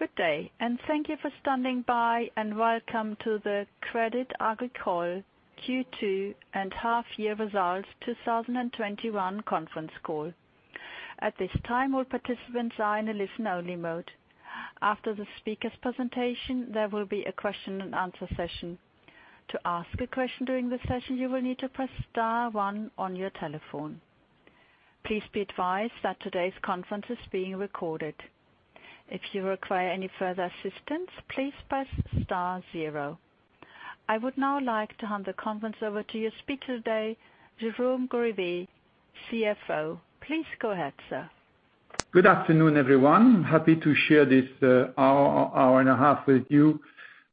Good day, thank you for standing by, and welcome to the Crédit Agricole Q2 and half-year results 2021 conference call. At this time, all participants are in a listen-only mode. After the speakers' presentation, there will be a question and answer session. To ask a question during the session, you will need to press star one on your telephone. Please be advised that today's conference is being recorded. If you require any further assistance, please press star zero. I would now like to hand the conference over to your speaker today, Jérôme Grivet, CFO. Please go ahead, sir. Good afternoon, everyone. Happy to share this hour and a half with you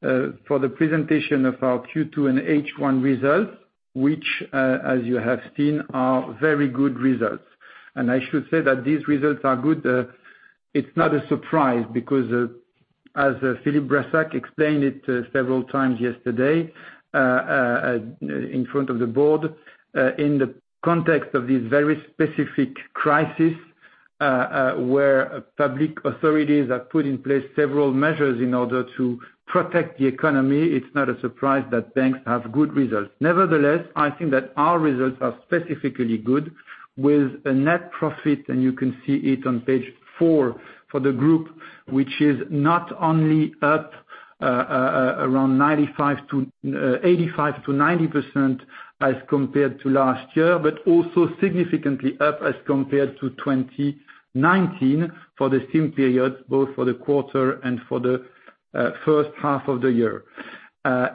for the presentation of our Q2 and H1 results, which, as you have seen, are very good results. I should say that these results are good. It's not a surprise because, as Philippe Brassac explained it several times yesterday in front of the board, in the context of this very specific crisis, where public authorities have put in place several measures in order to protect the economy, it's not a surprise that banks have good results. Nevertheless, I think that our results are specifically good with a net profit, and you can see it on page four for the group, which is not only up around 85%-90% as compared to last year, but also significantly up as compared to 2019 for the same period, both for the quarter and for the first half of the year.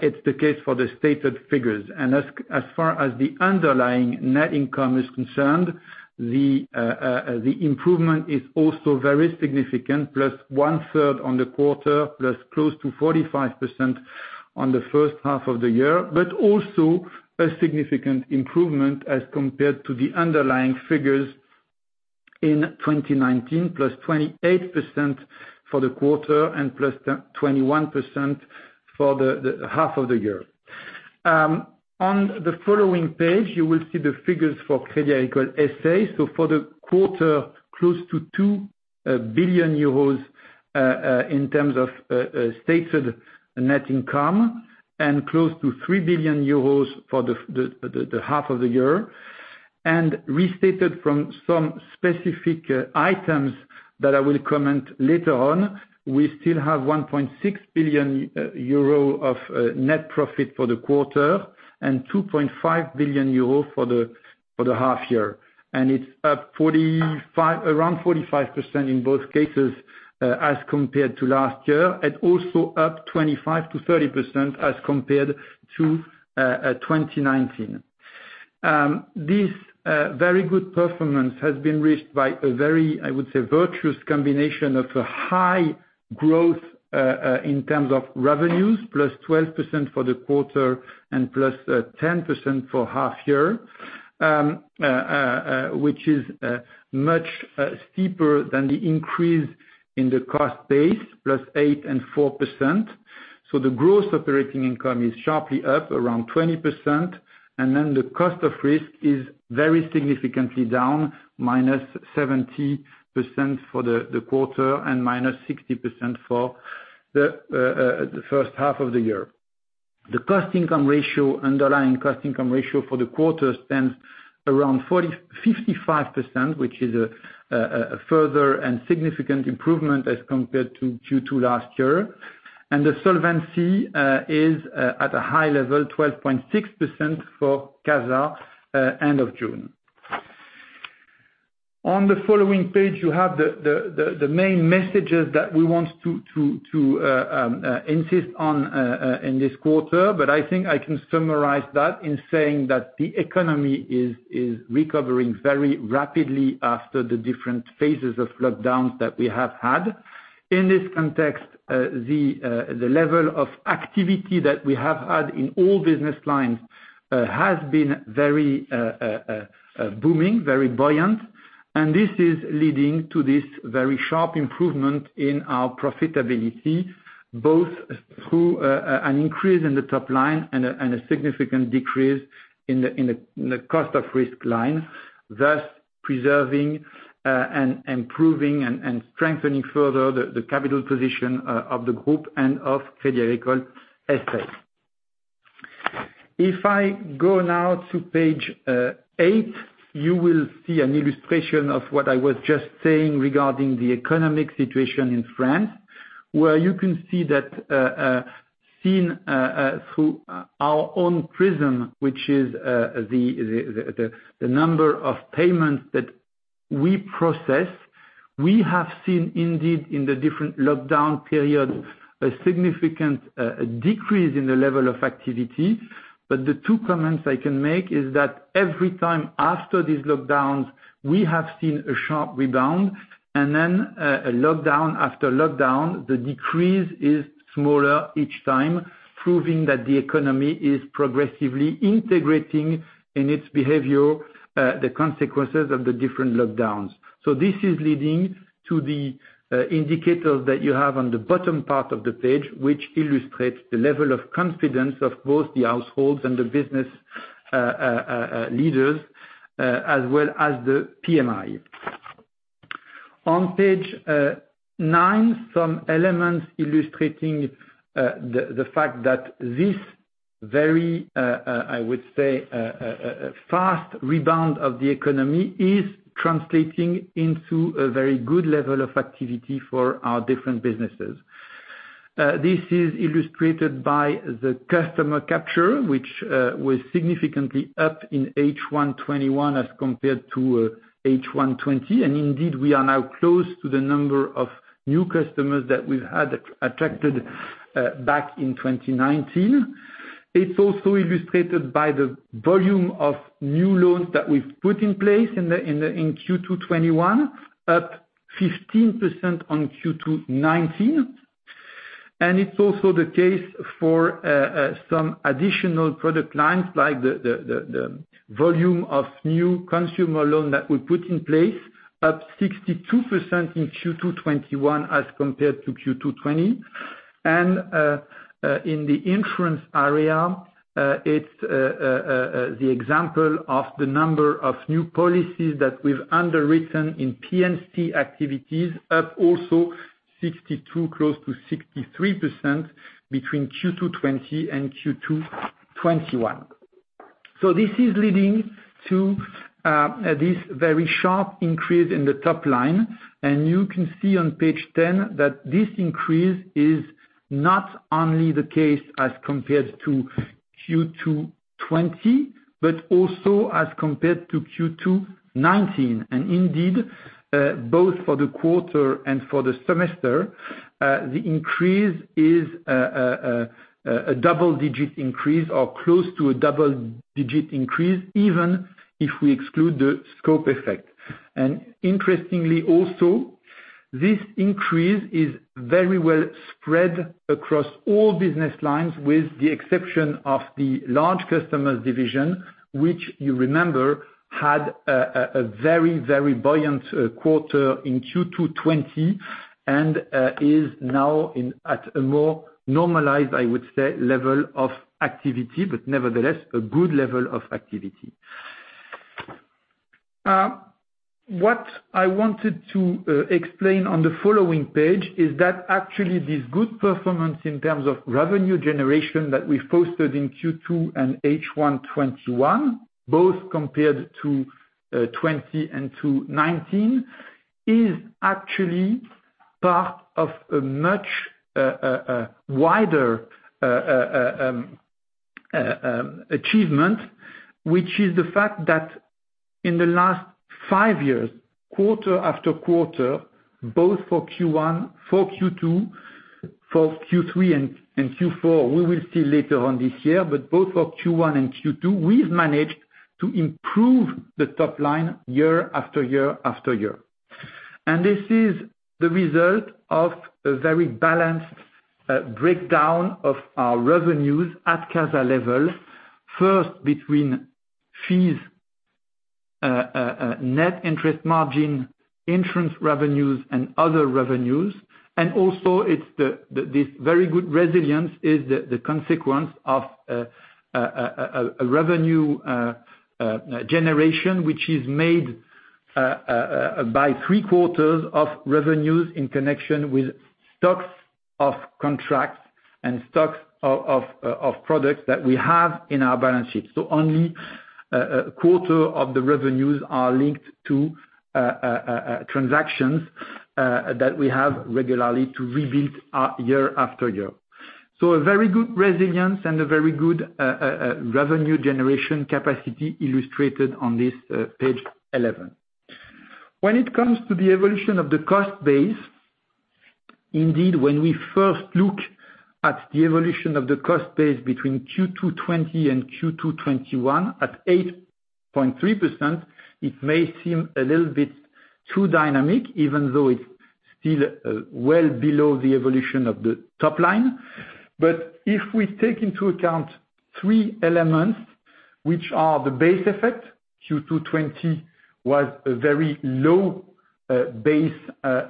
It's the case for the stated figures. As far as the underlying net income is concerned, the improvement is also very significant, plus one-third on the quarter, plus close to 45% on the first half of the year, but also a significant improvement as compared to the underlying figures in 2019, +28% for the quarter and +21% for the half of the year. On the following page, you will see the figures for Crédit Agricole S.A. For the quarter, close to 2 billion euros in terms of stated net income and close to 3 billion euros for the half of the year. Restated from some specific items that I will comment later on, we still have 1.6 billion euro of net profit for the quarter and 2.5 billion euro for the half year. It's up around 45% in both cases as compared to last year, and also up 25%-30% as compared to 2019. This very good performance has been reached by a very, I would say, virtuous combination of a high growth in terms of revenues, +12% for the quarter and +10% for half year, which is much steeper than the increase in the cost base, +8% and +4%. The gross operating income is sharply up, around 20%, and then the cost of risk is very significantly down, -70% for the quarter and -60% for the first half of the year. The underlying cost-income ratio for the quarter stands around 55%, which is a further and significant improvement as compared to Q2 last year. The solvency is at a high level, 12.6% for CASA end of June. On the following page, you have the main messages that we want to insist on in this quarter, but I think I can summarize that in saying that the economy is recovering very rapidly after the different phases of lockdowns that we have had. In this context, the level of activity that we have had in all business lines has been very booming, very buoyant. This is leading to this very sharp improvement in our profitability, both through an increase in the top line and a significant decrease in the cost of risk line, thus preserving and improving and strengthening further the capital position of the group and of Crédit Agricole S.A. If I go now to page eight, you will see an illustration of what I was just saying regarding the economic situation in France, where you can see that seen through our own prism, which is the number of payments that we process, we have seen, indeed, in the different lockdown periods, a significant decrease in the level of activity. The two comments I can make is that every time after these lockdowns, we have seen a sharp rebound, and then lockdown after lockdown, the decrease is smaller each time, proving that the economy is progressively integrating in its behavior the consequences of the different lockdowns. This is leading to the indicators that you have on the bottom part of the page, which illustrates the level of confidence of both the households and the business leaders, as well as the PMI. On page nine, some elements illustrating the fact that this very, I would say, fast rebound of the economy is translating into a very good level of activity for our different businesses. This is illustrated by the customer capture, which was significantly up in H1 2021 as compared to H1 2020. Indeed, we are now close to the number of new customers that we've had attracted back in 2019. It's also illustrated by the volume of new loans that we've put in place in Q2 2021, up 15% on Q2 2019. It's also the case for some additional product lines, like the volume of new consumer loan that we put in place, up 62% in Q2 2021 as compared to Q2 2020. In the insurance area, it's the example of the number of new policies that we've underwritten in P&C activities, up also 62%, close to 63% between Q2 2020 and Q2 2021. This is leading to this very sharp increase in the top line. You can see on page 10 that this increase is not only the case as compared to Q2 2020, but also as compared to Q2 2019. Indeed, both for the quarter and for the semester, the increase is a double-digit increase or close to a double-digit increase, even if we exclude the scope effect. Interestingly also, this increase is very well spread across all business lines, with the exception of the large customers division, which you remember, had a very buoyant quarter in Q2 2020 and is now at a more normalized, I would say, level of activity, but nevertheless, a good level of activity. What I wanted to explain on the following page is that actually this good performance in terms of revenue generation that we've posted in Q2 and H1 2021, both compared to 2020 and to 2019, is actually part of a much wider achievement, which is the fact that in the last five years, quarter after quarter, both for Q1, for Q2, for Q3 and Q4, we will see later on this year, but both for Q1 and Q2, we've managed to improve the top line year after year after year. This is the result of a very balanced breakdown of our revenues at CASA level. First, between fees, net interest margin, insurance revenues, and other revenues. This very good resilience is the consequence of a revenue generation which is made by three quarters of revenues in connection with stocks of contracts and stocks of products that we have in our balance sheet. Only a quarter of the revenues are linked to transactions that we have regularly to rebuild year after year. A very good resilience and a very good revenue generation capacity illustrated on this page 11. When it comes to the evolution of the cost base, indeed, when we first look at the evolution of the cost base between Q2 2020 and Q2 2021 at 8.3%, it may seem a little bit too dynamic, even though it's still well below the evolution of the top line. If we take into account 3 elements, which are the base effect, Q2 2020 was a very low base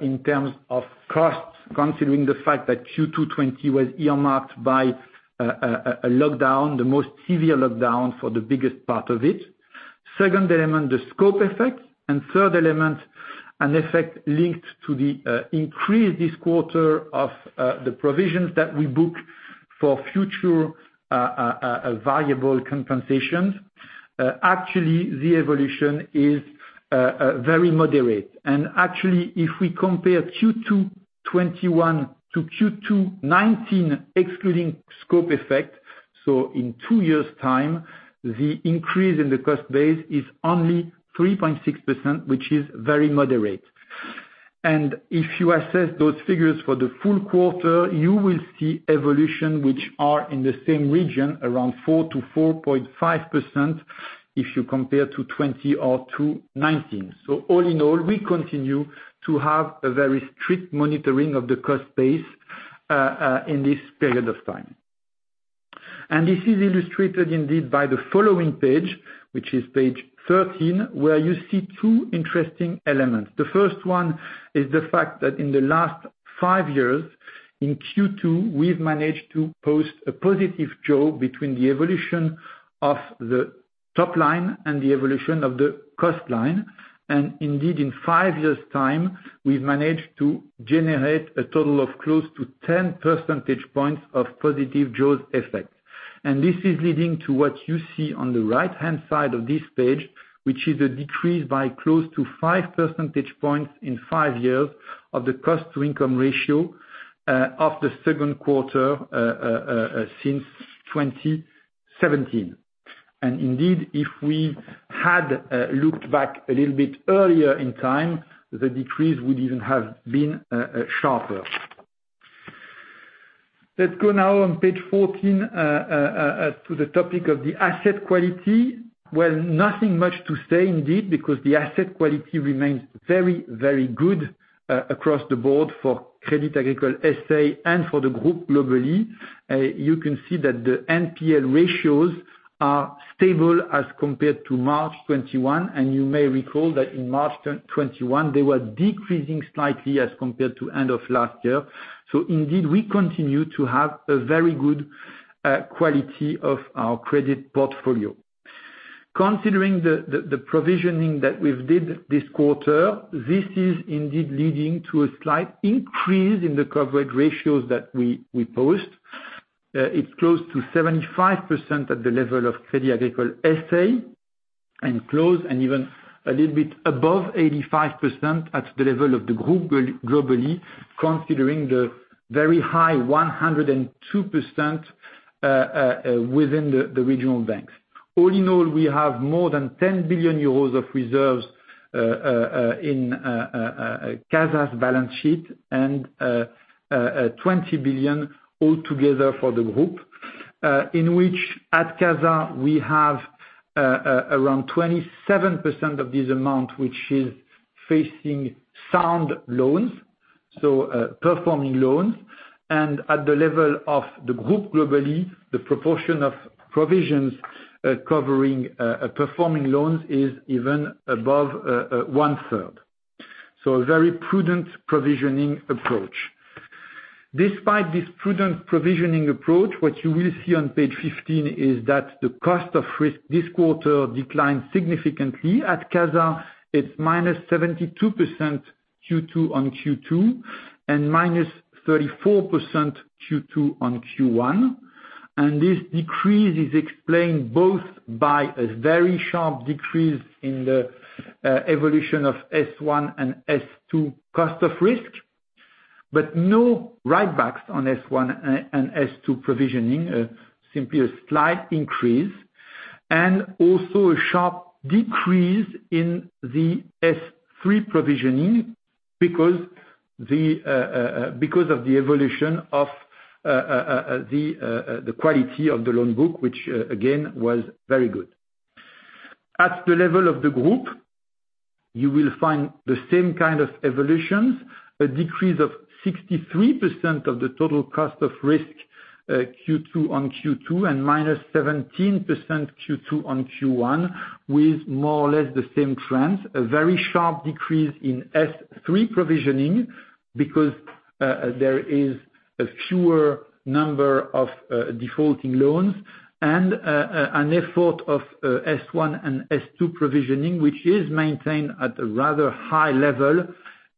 in terms of costs, considering the fact that Q2 2020 was earmarked by a lockdown, the most severe lockdown for the biggest part of it. Second element, the scope effect, and third element, an effect linked to the increase this quarter of the provisions that we book for future variable compensations. Actually, the evolution is very moderate. Actually, if we compare Q2 2021 to Q2 2019, excluding scope effect, so in two years' time, the increase in the cost base is only 3.6%, which is very moderate. If you assess those figures for the full quarter, you will see evolution which are in the same region, around 4%-4.5% if you compare to 2020 or to 2019. All in all, we continue to have a very strict monitoring of the cost base in this period of time. This is illustrated indeed by the following page, which is page 13, where you see two interesting elements. The first one is the fact that in the last five years, in Q2, we've managed to post a positive jaws between the evolution of the top line and the evolution of the cost line. Indeed, in five years' time, we've managed to generate a total of close to 10 percentage points of positive jaws effect. This is leading to what you see on the right-hand side of this page, which is a decrease by close to 5 percentage points in five years of the cost to income ratio of the second quarter since 2017. Indeed, if we had looked back a little bit earlier in time, the decrease would even have been sharper. Let's go now on page 14 to the topic of the asset quality. Nothing much to say indeed, because the asset quality remains very, very good across the board for Crédit Agricole S.A. and for the group globally. You can see that the NPL ratios are stable as compared to March 2021, and you may recall that in March 2021, they were decreasing slightly as compared to end of last year. Indeed, we continue to have a very good quality of our credit portfolio. Considering the provisioning that we've did this quarter, this is indeed leading to a slight increase in the coverage ratios that we post. It's close to 75% at the level of Crédit Agricole S.A., and close and even a little bit above 85% at the level of the group globally, considering the very high 102% within the regional banks. All in all, we have more than 10 billion euros of reserves in CASA's balance sheet and 20 billion all together for the group. In which, at CASA, we have around 27% of this amount, which is facing sound loans, so performing loans. At the level of the group globally, the proportion of provisions covering performing loans is even above one-third. So a very prudent provisioning approach. Despite this prudent provisioning approach, what you will see on page 15 is that the cost of risk this quarter declined significantly. At CASA, it's -72% Q2-on-Q2 and -34% Q2-on-Q1. This decrease is explained both by a very sharp decrease in the evolution of S1 and S2 cost of risk, but no write backs on S1 and S2 provisioning, simply a slight increase, and also a sharp decrease in the S3 provisioning because of the evolution of the quality of the loan book which, again, was very good. At the level of the group, you will find the same kind of evolutions, a decrease of 63% of the total cost of risk Q2-on-Q2, and -17% Q2-on-Q1 with more or less the same trends. A very sharp decrease in S3 provisioning because there is a fewer number of defaulting loans, and an effort of S1 and S2 provisioning, which is maintained at a rather high level,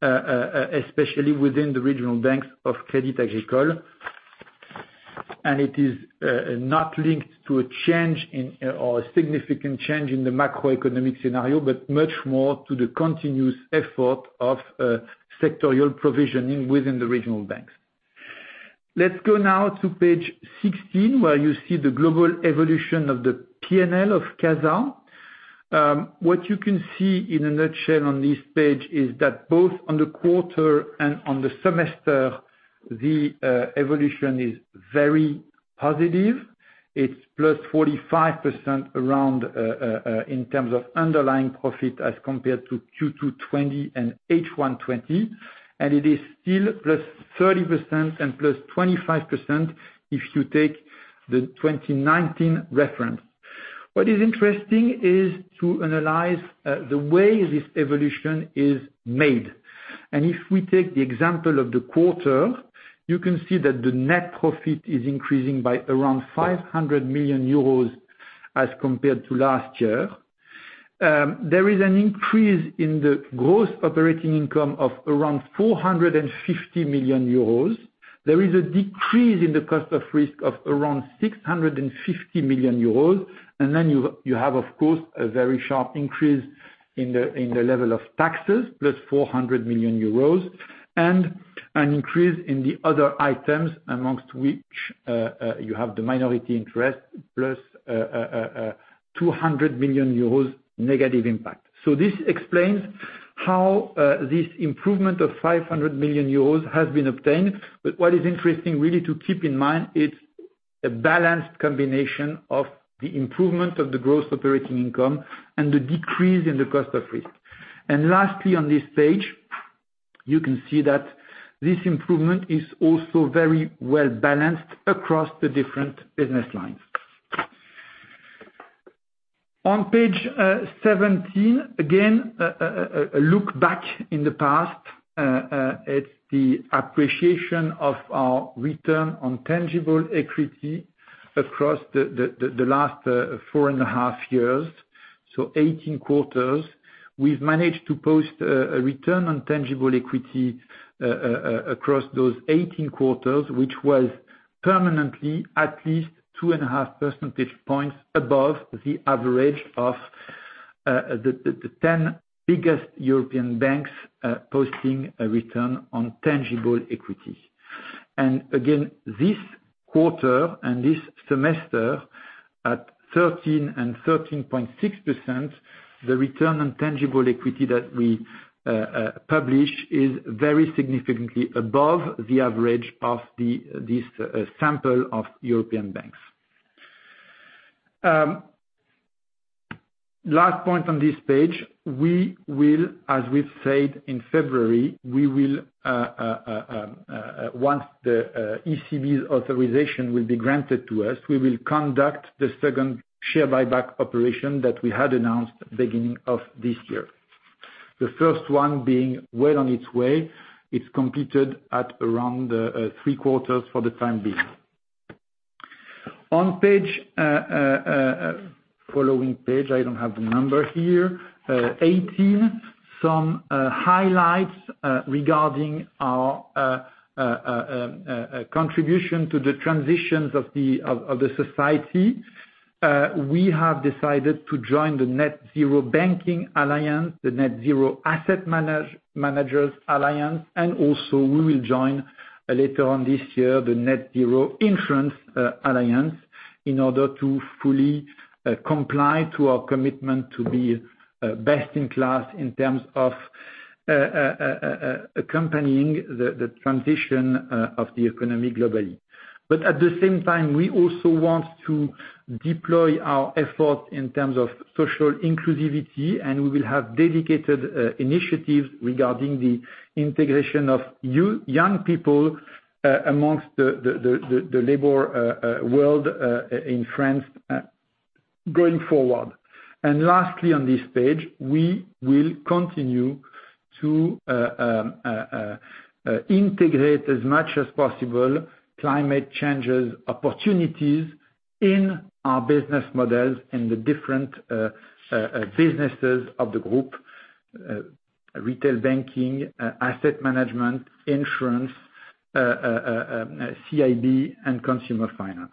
especially within the regional banks of Crédit Agricole. It is not linked to a change or a significant change in the macroeconomic scenario, but much more to the continuous effort of sectorial provisioning within the regional banks. Let's go now to page 16, where you see the global evolution of the P&L of CASA. What you can see in a nutshell on this page is that both on the quarter and on the semester, the evolution is very positive. It's +45% around in terms of underlying profit as compared to Q2 2020 and H1 2020, and it is still +30% and +25% if you take the 2019 reference. What is interesting is to analyze the way this evolution is made. If we take the example of the quarter, you can see that the net profit is increasing by around 500 million euros as compared to last year. There is an increase in the gross operating income of around 450 million euros. There is a decrease in the cost of risk of around 650 million euros. Then you have, of course, a very sharp increase in the level of taxes, +400 million euros, an increase in the other items, amongst which you have the minority interest, +200 million euros negative impact. This explains how this improvement of 500 million euros has been obtained. What is interesting really to keep in mind, it's a balanced combination of the improvement of the gross operating income and the decrease in the cost of risk. Lastly, on this page. You can see that this improvement is also very well-balanced across the different business lines. On page 17, again, a look back in the past at the appreciation of our return on tangible equity across the last four and a half years, so 18 quarters. We've managed to post a return on tangible equity across those 18 quarters, which was permanently at least two and a half percentage points above the average of the 10 biggest European banks posting a return on tangible equity. Again, this quarter and this semester, at 13 and 13.6%, the return on tangible equity that we publish is very significantly above the average of this sample of European banks. Last point on this page, as we've said, in February, once the ECB's authorization will be granted to us, we will conduct the second share buyback operation that we had announced beginning of this year. The first one being well on its way. It's completed at around three quarters for the time being. On following page, I don't have the number here, 18, some highlights regarding our contribution to the transitions of the society. We have decided to join the Net-Zero Banking Alliance, the Net Zero Asset Managers initiative, also we will join, later on this year, the Net-Zero Insurance Alliance in order to fully comply to our commitment to be best in class in terms of accompanying the transition of the economy globally. At the same time, we also want to deploy our effort in terms of social inclusivity, and we will have dedicated initiatives regarding the integration of young people amongst the labor world in France going forward. Lastly, on this page, we will continue to integrate, as much as possible, climate change opportunities in our business models in the different businesses of the group, retail banking, asset management, insurance, CIB, and consumer finance.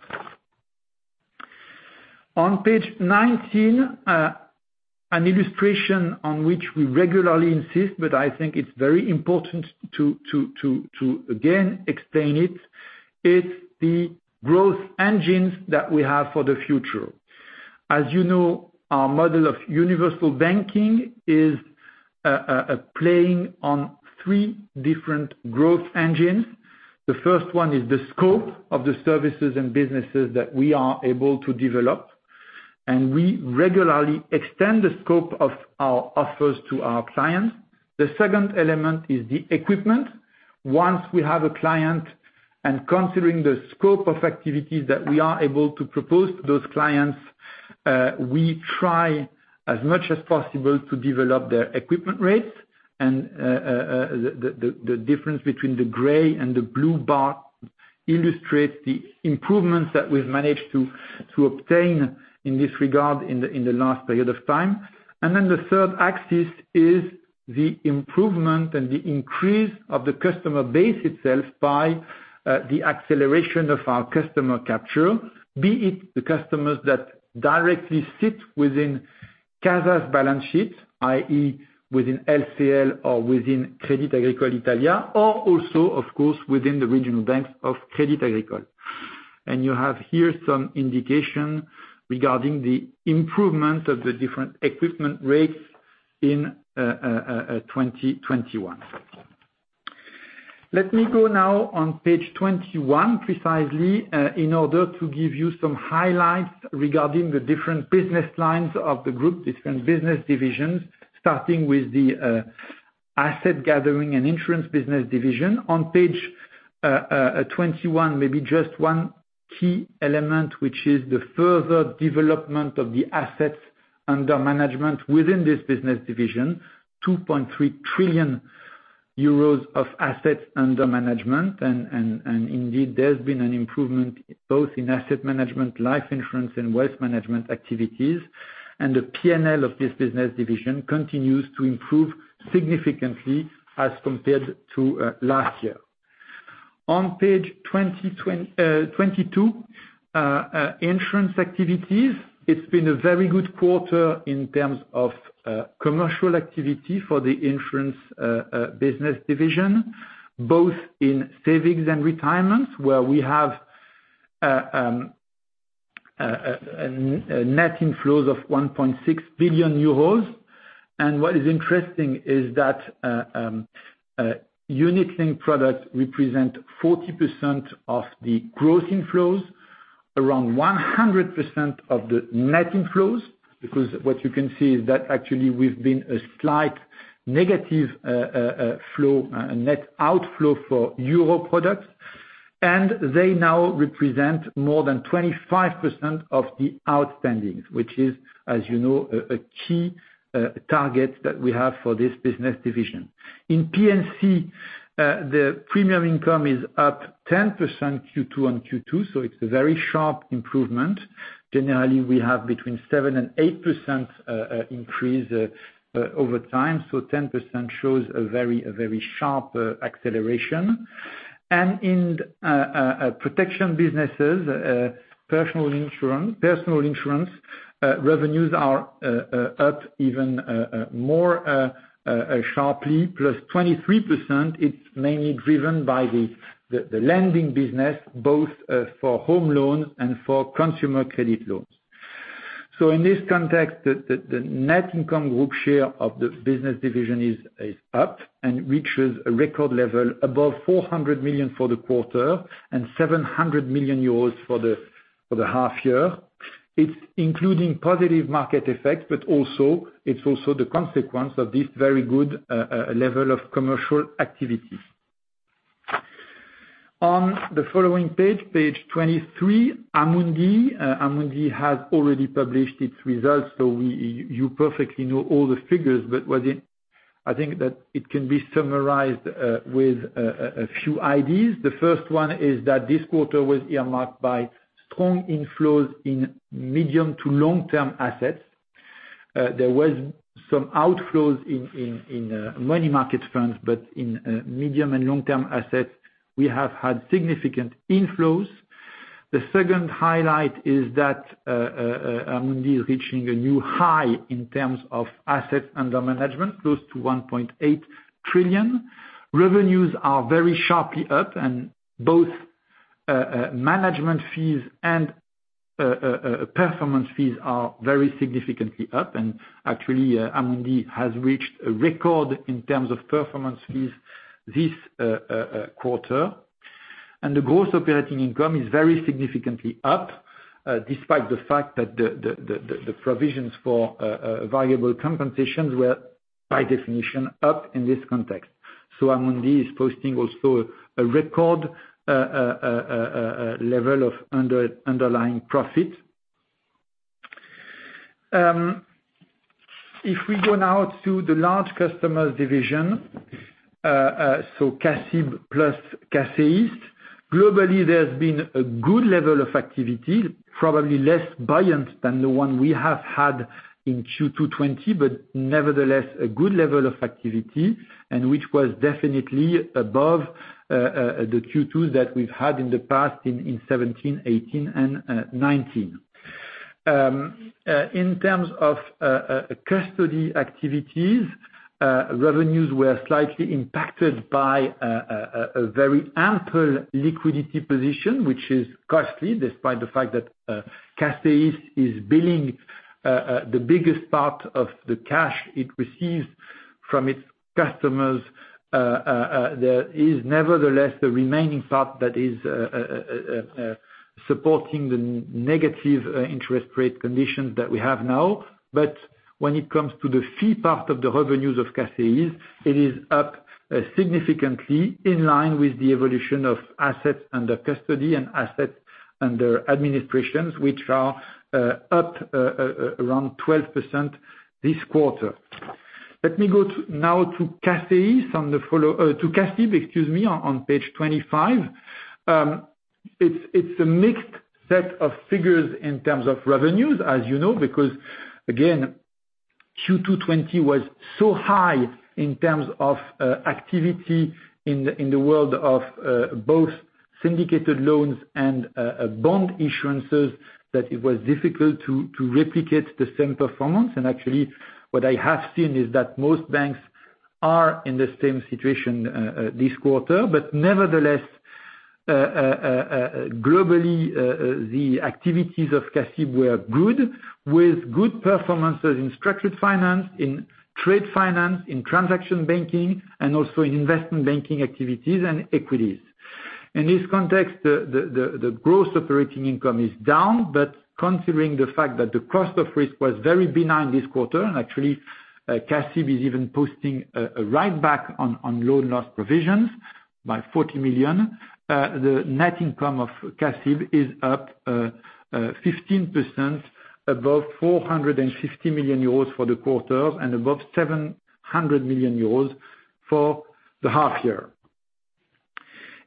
On page 19, an illustration on which we regularly insist, but I think it's very important to, again, explain it's the growth engines that we have for the future. As you know, our model of universal banking is playing on three different growth engines. The first one is the scope of the services and businesses that we are able to develop, and we regularly extend the scope of our offers to our clients. The second element is the equipment. Once we have a client and considering the scope of activities that we are able to propose to those clients, we try as much as possible to develop their equipment rates. The difference between the gray and the blue bar illustrates the improvements that we've managed to obtain in this regard in the last period of time. The third axis is the improvement and the increase of the customer base itself by the acceleration of our customer capture, be it the customers that directly sit within CASA's balance sheet, i.e., within LCL or within Crédit Agricole Italia, or also, of course, within the regional banks of Crédit Agricole. You have here some indication regarding the improvement of the different equipment rates in 2021. Let me go now on page 21 precisely, in order to give you some highlights regarding the different business lines of the group, different business divisions, starting with the asset gathering and insurance business division. On page 21, maybe just one key element, which is the further development of the assets under management within this business division, 2.3 trillion euros of assets under management. Indeed, there's been an improvement both in asset management, life insurance, and wealth management activities. The P&L of this business division continues to improve significantly as compared to last year. On page 22, insurance activities. It's been a very good quarter in terms of commercial activity for the insurance business division, both in savings and retirement, where we have net inflows of 1.6 billion euros. What is interesting is that unit-linked product represent 40% of the gross inflows. Around 100% of the net inflows, because what you can see is that actually we've been a slight negative flow, a net outflow for EUR products, and they now represent more than 25% of the outstandings, which is, as you know, a key target that we have for this business division. In P&C, the premium income is up 10% Q2 on Q2, so it's a very sharp improvement. Generally, we have between 7% and 8% increase over time. 10% shows a very sharp acceleration. In protection businesses, personal insurance revenues are up even more sharply, +23%. It's mainly driven by the lending business, both for home loan and for consumer credit loans. In this context, the net income group share of the business division is up and reaches a record level above 400 million for the quarter, and 700 million euros for the half year. It's including positive market effects, but it's also the consequence of this very good level of commercial activity. On the following page 23, Amundi. Amundi has already published its results, so you perfectly know all the figures, but I think that it can be summarized with a few ideas. The first one is that this quarter was earmarked by strong inflows in medium to long-term assets. There was some outflows in money market funds, but in medium and long-term assets, we have had significant inflows. The second highlight is that Amundi is reaching a new high in terms of assets under management, close to 1.8 trillion. Revenues are very sharply up, both management fees and performance fees are very significantly up. Actually, Amundi has reached a record in terms of performance fees this quarter. The gross operating income is very significantly up, despite the fact that the provisions for variable compensations were, by definition, up in this context. Amundi is posting also a record level of underlying profit. If we go now to the large customers division, so CACIB plus CACEIS. Globally, there's been a good level of activity, probably less buoyant than the one we have had in Q2 2020, but nevertheless, a good level of activity, and which was definitely above the Q2s that we've had in the past in 2017, 2018, and 2019. In terms of custody activities, revenues were slightly impacted by a very ample liquidity position, which is costly, despite the fact that CACEIS is billing the biggest part of the cash it receives from its customers. There is, nevertheless, the remaining part that is supporting the negative interest rate conditions that we have now. When it comes to the fee part of the revenues of CACEIS, it is up significantly in line with the evolution of assets under custody and assets under administrations, which are up around 12% this quarter. Let me go now to CACEIS on the follow to CACEIS, excuse me, on page 25. It's a mixed set of figures in terms of revenues, as you know, because again, Q2 2020 was so high in terms of activity in the world of both syndicated loans and bond issuances, that it was difficult to replicate the same performance. Actually, what I have seen is that most banks are in the same situation this quarter. Nevertheless, globally, the activities of CACEIS were good, with good performances in structured finance, in trade finance, in transaction banking, and also in investment banking activities and equities. In this context, the gross operating income is down, but considering the fact that the cost of risk was very benign this quarter, and actually, CACEIS is even posting a write back on loan loss provisions by 40 million. The net income of CACEIS is up 15%, above 450 million euros for the quarter, and above 700 million euros for the half year.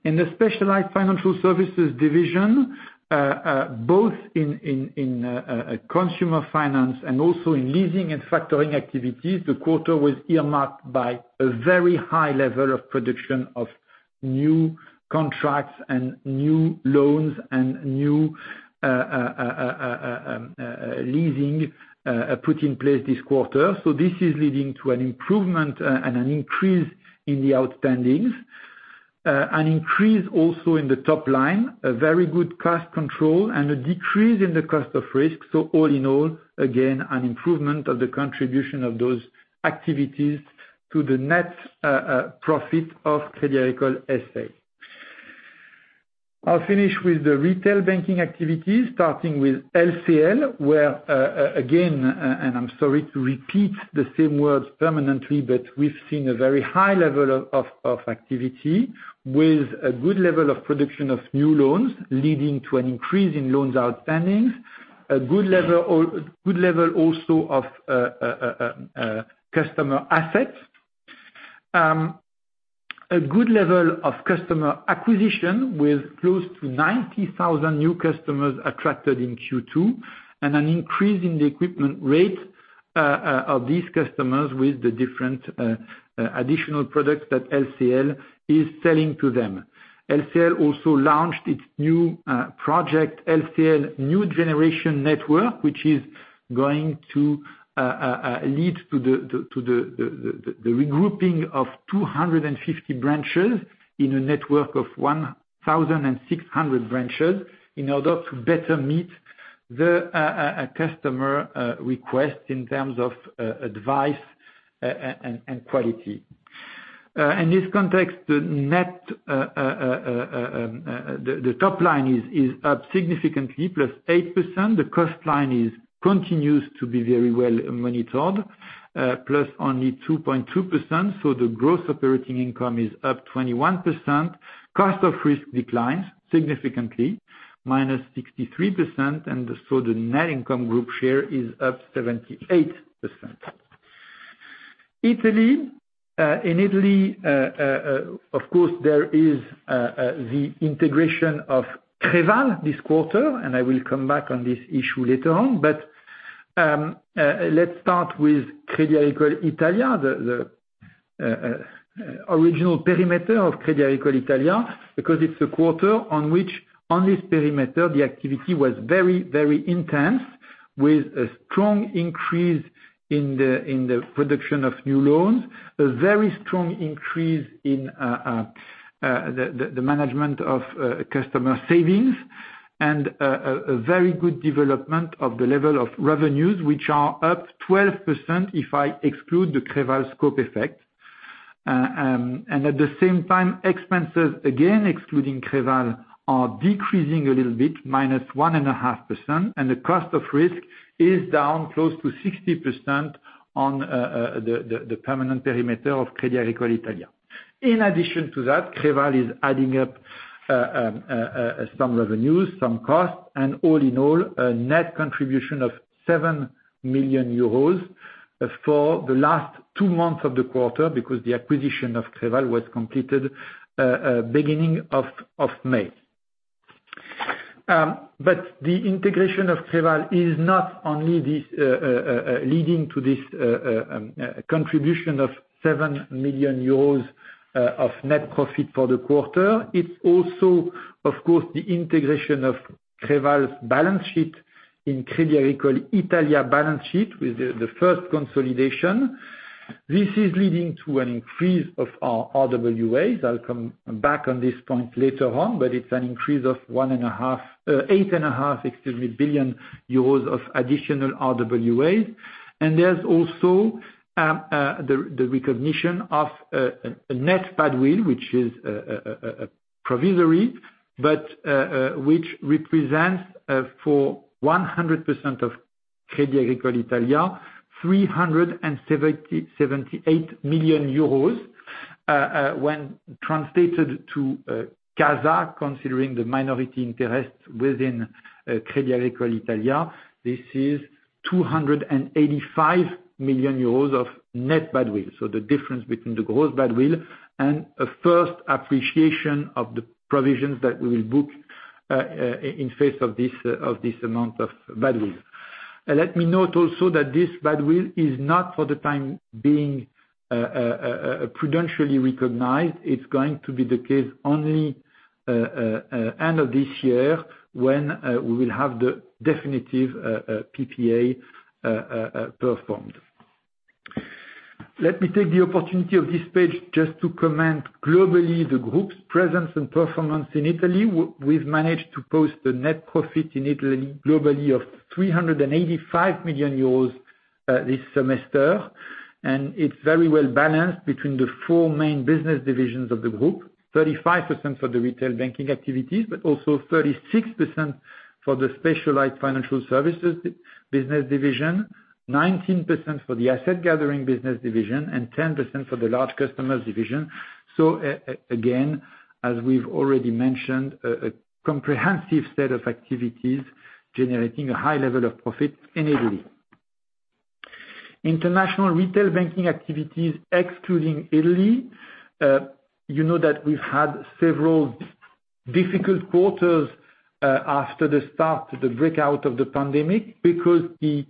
In the specialized financial services division, both in consumer finance and also in leasing and factoring activities, the quarter was earmarked by a very high level of production of new contracts and new loans and new leasing put in place this quarter. This is leading to an improvement and an increase in the outstandings. An increase also in the top line, a very good cost control, and a decrease in the cost of risk. All in all, again, an improvement of the contribution of those activities to the net profit of Crédit Agricole S.A. I'll finish with the retail banking activity, starting with LCL, where, again, I'm sorry to repeat the same words permanently, we've seen a very high level of activity with a good level of production of new loans, leading to an increase in loans outstandings. A good level also of customer assets. A good level of customer acquisition, with close to 90,000 new customers attracted in Q2, and an increase in the equipment rate of these customers with the different additional products that LCL is selling to them. LCL also launched its new project, LCL New Generation Network, which is going to lead to the regrouping of 250 branches in a network of 1,600 branches in order to better meet the customer requests in terms of advice and quality. In this context, the top line is up significantly, +8%. The cost line continues to be very well monitored, plus only 2.2%, so the gross operating income is up 21%. Cost of risk declines significantly, -63%, and so the net income group share is up 78%. Italy. In Italy, of course, there is the integration of Creval this quarter, and I will come back on this issue later on. Let's start with Crédit Agricole Italia, the original perimeter of Crédit Agricole Italia, because it's a quarter on which, on this perimeter, the activity was very intense, with a strong increase in the production of new loans, a very strong increase in the management of customer savings, and a very good development of the level of revenues, which are up 12% if I exclude the Creval scope effect. At the same time, expenses, again, excluding Creval, are decreasing a little bit, -1.5%, and the cost of risk is down close to 60% on the permanent perimeter of Crédit Agricole Italia. In addition to that, Creval is adding up some revenues, some costs, and all in all, a net contribution of 7 million euros for the last two months of the quarter because the acquisition of Creval was completed beginning of May. The integration of Creval is not only leading to this contribution of 7 million euros of net profit for the quarter. It's also, of course, the integration of Creval's balance sheet in Crédit Agricole Italia balance sheet with the first consolidation. This is leading to an increase of our RWAs. I'll come back on this point later on, but it's an increase of 8.5 billion euros of additional RWAs. There's also the recognition of a net badwill, which is provisory, but which represents, for 100% of Crédit Agricole Italia, 378 million euros. When translated to CASA, considering the minority interest within Crédit Agricole Italia, this is 285 million euros of net badwill. The difference between the gross badwill and a first appreciation of the provisions that we will book in face of this amount of badwill. Let me note also that this badwill is not, for the time being, prudentially recognized. It's going to be the case only end of this year, when we will have the definitive PPA performed. Let me take the opportunity of this page just to comment globally the Group's presence and performance in Italy. We've managed to post a net profit in Italy globally of 385 million euros this semester. It's very well-balanced between the four main business divisions of the Group. 35% for the retail banking activities. Also 36% for the specialized financial services business division, 19% for the asset gathering business division. 10% for the large customers division. Again, as we've already mentioned, a comprehensive set of activities generating a high level of profit in Italy. International retail banking activities excluding Italy. You know that we've had several difficult quarters after the start of the breakout of the pandemic because the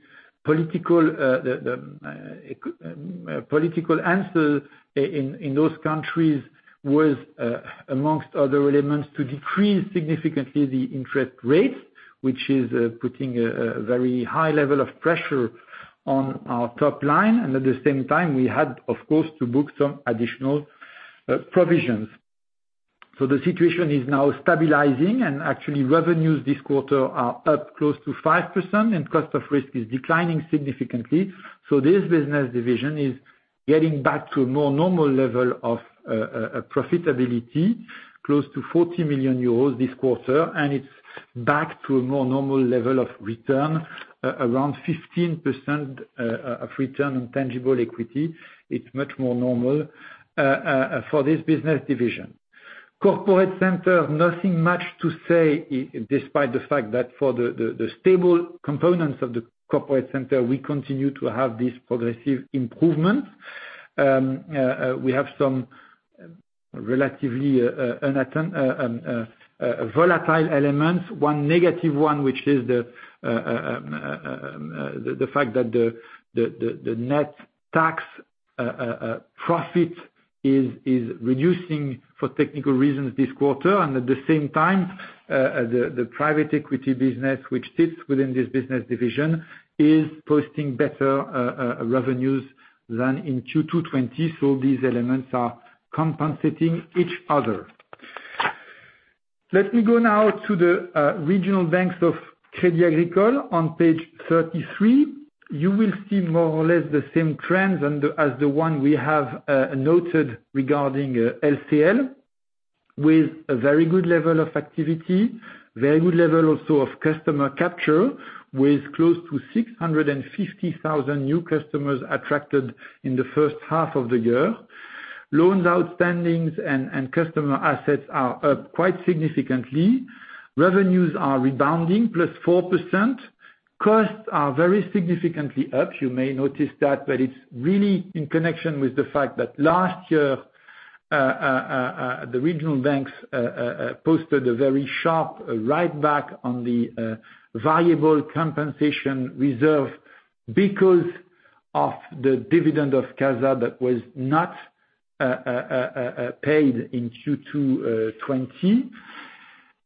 political answer in those countries was, amongst other elements, to decrease significantly the interest rates, which is putting a very high level of pressure on our top line. At the same time, we had, of course, to book some additional provisions. The situation is now stabilizing, and actually, revenues this quarter are up close to 5%, and cost of risk is declining significantly. This business division is getting back to a more normal level of profitability, close to 40 million euros this quarter. It's back to a more normal level of return, around 15% of return on tangible equity. It's much more normal for this business division. Corporate Center, nothing much to say, despite the fact that for the stable components of the Corporate Center, we continue to have this progressive improvement. We have some relatively volatile elements. One negative one, which is the fact that the net tax profit is reducing for technical reasons this quarter. At the same time, the private equity business, which sits within this business division, is posting better revenues than in Q2 2020. These elements are compensating each other. Let me go now to the regional banks of Crédit Agricole on page 33. You will see more or less the same trends as the one we have noted regarding LCL, with a very good level of activity, very good level also of customer capture, with close to 650,000 new customers attracted in the first half of the year. Loans outstandings and customer assets are up quite significantly. Revenues are rebounding +4%. Costs are very significantly up. You may notice that, but it's really in connection with the fact that last year, the regional banks posted a very sharp write-back on the variable compensation reserve because of the dividend of CASA that was not paid in Q2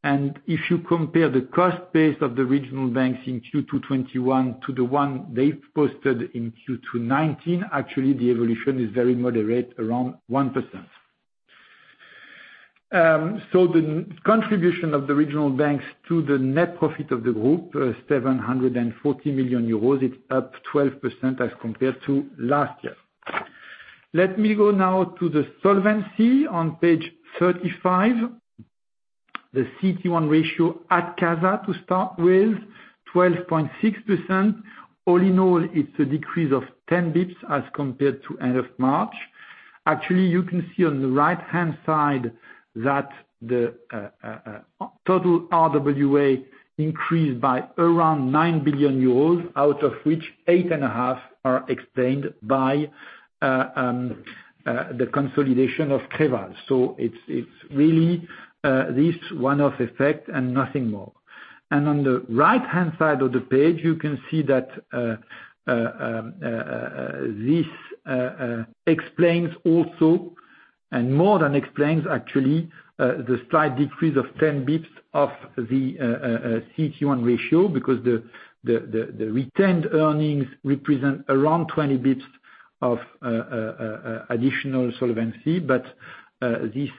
2020. If you compare the cost base of the regional banks in Q2 2021 to the one they've posted in Q2 2019, actually, the evolution is very moderate, around 1%. The contribution of the regional banks to the net profit of the group, 740 million euros, it's up 18% as compared to last year. Let me go now to the solvency on page 35. The CET1 ratio at CASA to start with, 12.6%. All in all, it's a decrease of 10 basis points as compared to end of March. Actually, you can see on the right-hand side that the total RWA increased by around 9 billion euros, out of which 8.5 are explained by the consolidation of Creval. It's really this one-off effect and nothing more. On the right-hand side of the page, you can see that this explains also, and more than explains actually, the slight decrease of 10 basis points of the CET1 ratio, because the retained earnings represent around 20 basis points of additional solvency. This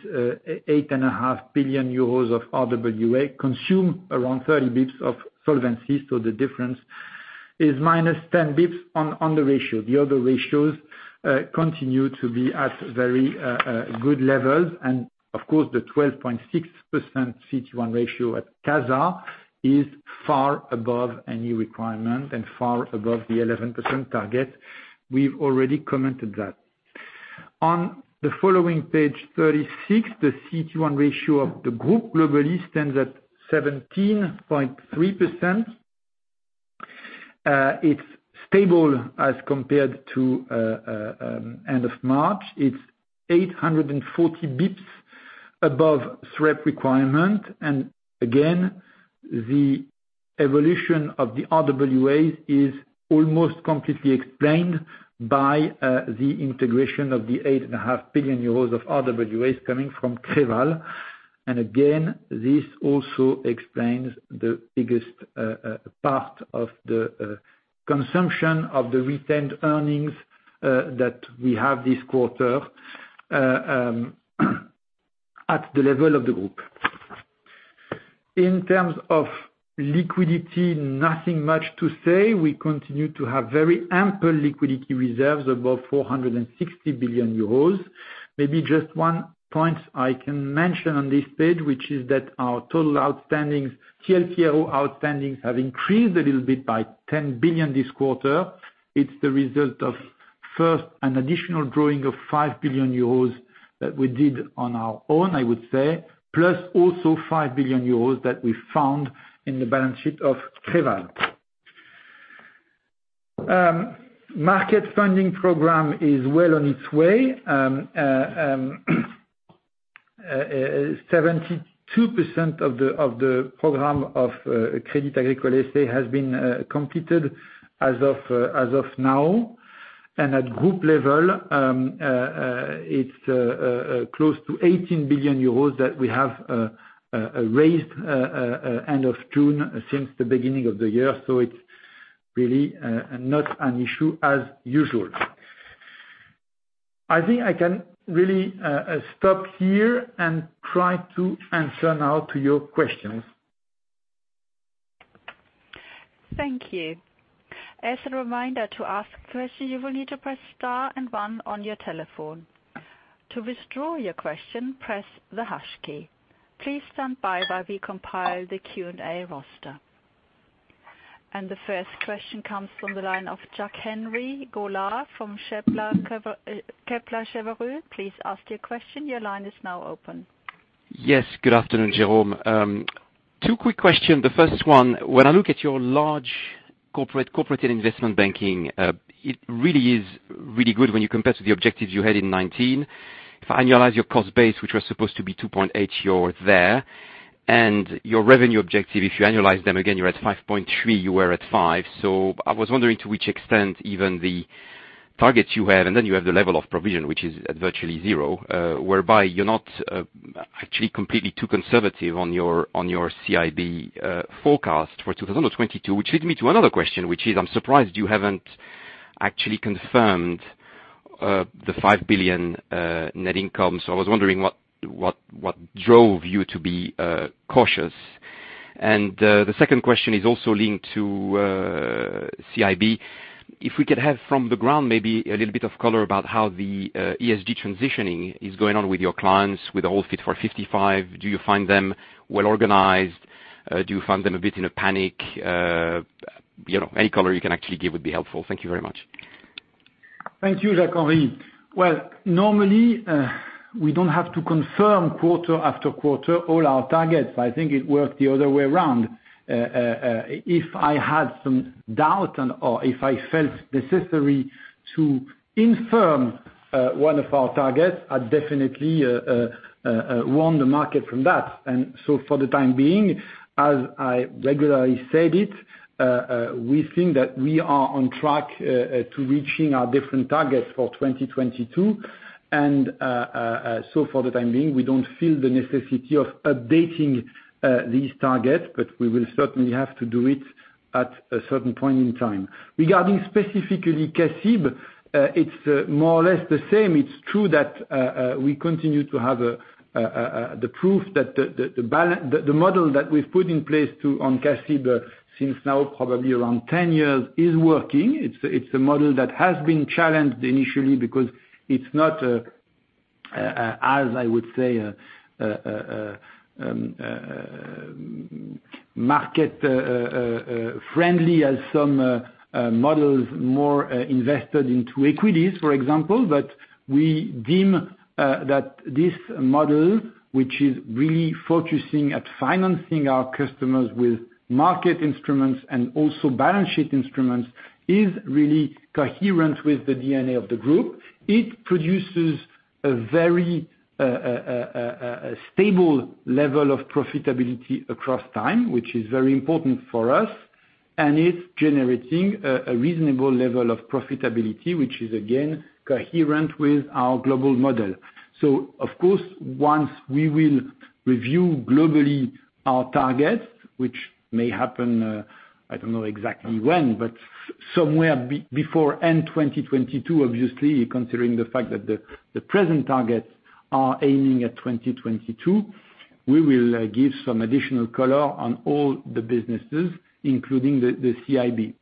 8.5 billion euros of RWA consume around 30 basis points of solvency. The difference is -10 basis points on the ratio. The other ratios continue to be at very good levels. Of course, the 12.6% CET1 ratio at CASA is far above any requirement and far above the 11% target. We've already commented that. On the following page 36, the CET1 ratio of the group globally stands at 17.3%. It's stable as compared to end of March. It's 840 basis points above SREP requirement. Again, the evolution of the RWAs is almost completely explained by the integration of the 8.5 billion euros of RWAs coming from Creval. Again, this also explains the biggest part of the consumption of the retained earnings that we have this quarter at the level of the group. In terms of liquidity, nothing much to say. We continue to have very ample liquidity reserves, above 460 billion euros. Maybe just one point I can mention on this page, which is that our total outstandings, TLTRO outstandings, have increased a little bit by 10 billion this quarter. It's the result of, first, an additional drawing of 5 billion euros that we did on our own, I would say, plus also 5 billion euros that we found in the balance sheet of Creval. Market funding program is well on its way. 72% of the program of Crédit Agricole S.A. has been completed as of now. At group level, it's close to 18 billion euros that we have raised end of June since the beginning of the year. It's really not an issue as usual. I think I can really stop here and try to answer now to your questions. Thank you. As a reminder, to ask questions, you will need to press star one on your telephone. To withdraw your question, press the hash key. Please stand by while we compile the Q&A roster. The first question comes from the line of Jacques-Henri Gaulard from Kepler Cheuvreux. Please ask your question. Good afternoon, Jérôme. Two quick questions. The first one, when I look at your large corporate investment banking, it is really good when you compare to the objectives you had in 2019. If I annualize your cost base, which was supposed to be 2.8, you're there. Your revenue objective, if you annualize them, again, you're at 5.3, you were at 5. I was wondering to which extent even the targets you have, and then you have the level of provision, which is at virtually zero, whereby you're not actually completely too conservative on your CIB forecast for 2022. Which leads me to another question, which is, I'm surprised you haven't actually confirmed the 5 billion net income. I was wondering what drove you to be cautious. The second question is also linked to CIB. If we could have from the ground, maybe, a little bit of color about how the ESG transitioning is going on with your clients, with the whole Fit for 55. Do you find them well-organized? Do you find them a bit in a panic? Any color you can actually give would be helpful. Thank you very much. Thank you, Jacques-Henri. Well, normally, we don't have to confirm quarter after quarter all our targets. I think it worked the other way around. If I had some doubt, or if I felt necessary to infirm one of our targets, I'd definitely warn the market from that. For the time being, as I regularly said it, we think that we are on track to reaching our different targets for 2022. For the time being, we don't feel the necessity of updating these targets, but we will certainly have to do it at a certain point in time. Regarding specifically CIB, it's more or less the same. It's true that we continue to have the proof that the model that we've put in place on CIB, since now probably around 10 years, is working. It's a model that has been challenged initially because it's not, as I would say, market-friendly as some models more invested into equities, for example. We deem that this model, which is really focusing on financing our customers with market instruments and also balance sheet instruments, is really coherent with the DNA of the group. It produces a very stable level of profitability across time, which is very important for us. It's generating a reasonable level of profitability, which is again, coherent with our global model. Of course, once we will review globally our targets, which may happen, I don't know exactly when, but somewhere before end 2022, obviously, considering the fact that the present targets are aiming at 2022, we will give some additional color on all the businesses, including the CIB.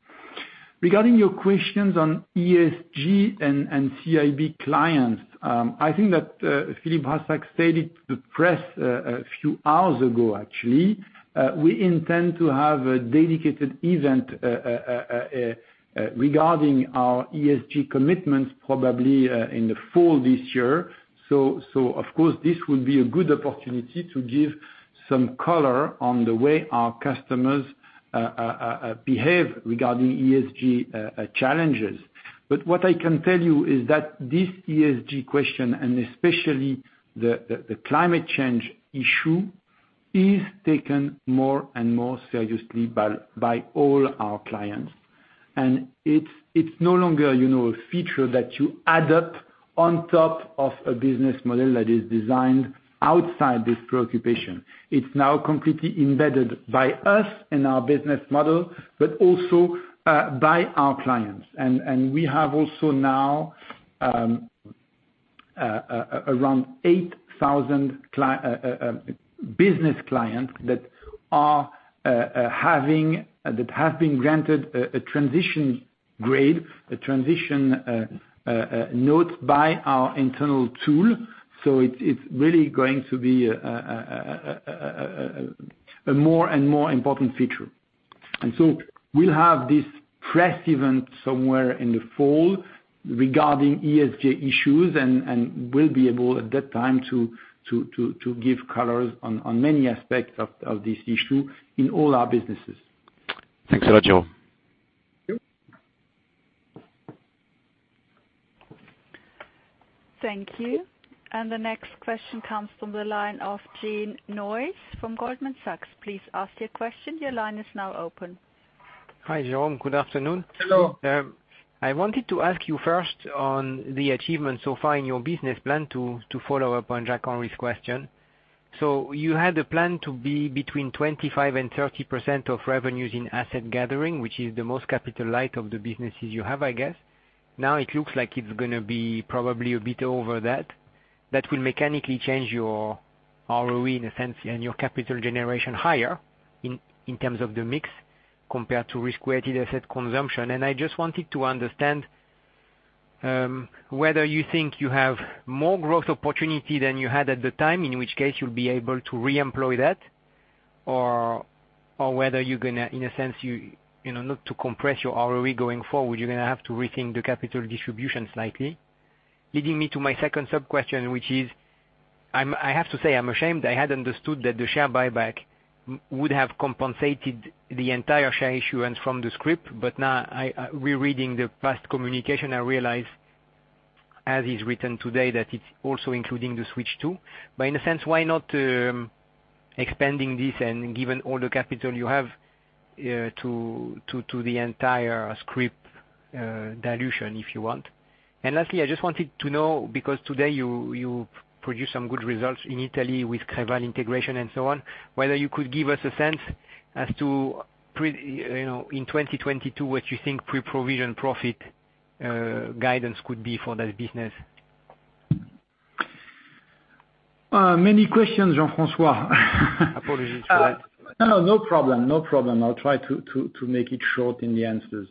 Regarding your questions on ESG and CIB clients, I think that Philippe Brassac stated to the press a few hours ago, actually, we intend to have a dedicated event regarding our ESG commitments probably in the fall this year. Of course, this would be a good opportunity to give some color on the way our customers behave regarding ESG challenges. What I can tell you is that this ESG question, and especially the climate change issue, is taken more and more seriously by all our clients. It's no longer a feature that you add up on top of a business model that is designed outside this preoccupation. It's now completely embedded by us in our business model, but also by our clients. We have also now around 8,000 business clients that have been granted a transition grade, a transition note by our internal tool. It's really going to be a more and more important feature. We'll have this press event somewhere in the fall regarding ESG issues, and we'll be able at that time to give colors on many aspects of this issue in all our businesses. Thanks a lot, Jérôme. Thank you. Thank you. The next question comes from the line of Jean Neuez from Goldman Sachs. Please ask your question. Your line is now open. Hi, Jérôme. Good afternoon. Hello. I wanted to ask you first on the achievements so far in your business plan to follow up on Jacques-Henri's question. You had a plan to be between 25% and 30% of revenues in asset gathering, which is the most capital light of the businesses you have, I guess. Now it looks like it's going to be probably a bit over that. That will mechanically change your ROE in a sense, and your capital generation higher in terms of the mix, compared to risk-weighted asset consumption. I just wanted to understand, whether you think you have more growth opportunity than you had at the time, in which case you'll be able to reemploy that, or whether, in a sense, not to compress your ROE going forward, you're going to have to rethink the capital distribution slightly. Leading me to my second sub-question, which is, I have to say, I'm ashamed. I had understood that the share buyback would have compensated the entire share issuance from the scrip, but now, rereading the past communication, I realize as is written today, that it's also including the switch too. In a sense, why not expanding this and given all the capital you have, to the entire scrip dilution if you want. Lastly, I just wanted to know, because today you produced some good results in Italy with Creval integration and so on, whether you could give us a sense as to, in 2022, what you think pre-provision profit, guidance could be for that business. Many questions, François. Apologies for that. No, no problem. No problem. I'll try to make it short in the answers.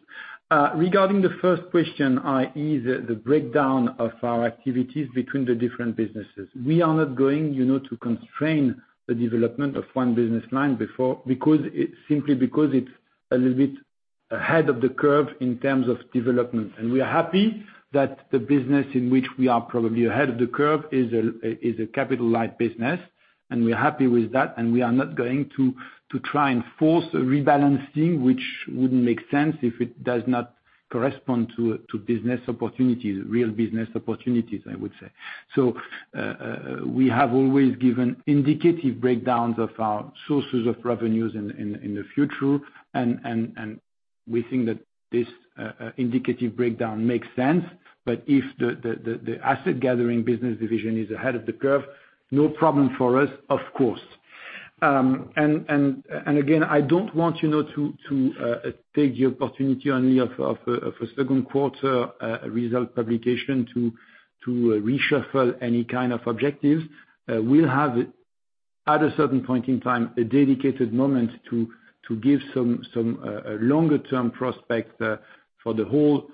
Regarding the first question, i.e., the breakdown of our activities between the different businesses. We are not going to constrain the development of one business line simply because it's a little bit ahead of the curve in terms of development. We are happy that the business in which we are probably ahead of the curve is a capital light business, and we are happy with that, and we are not going to try and force a rebalancing, which wouldn't make sense if it does not correspond to business opportunities, real business opportunities, I would say. We have always given indicative breakdowns of our sources of revenues in the future, and we think that this indicative breakdown makes sense. If the asset gathering business division is ahead of the curve, no problem for us, of course. Again, I don't want to take the opportunity only of a second quarter result publication to reshuffle any kind of objectives. We'll have, at a certain point in time, a dedicated moment to give some longer term prospect, for the whole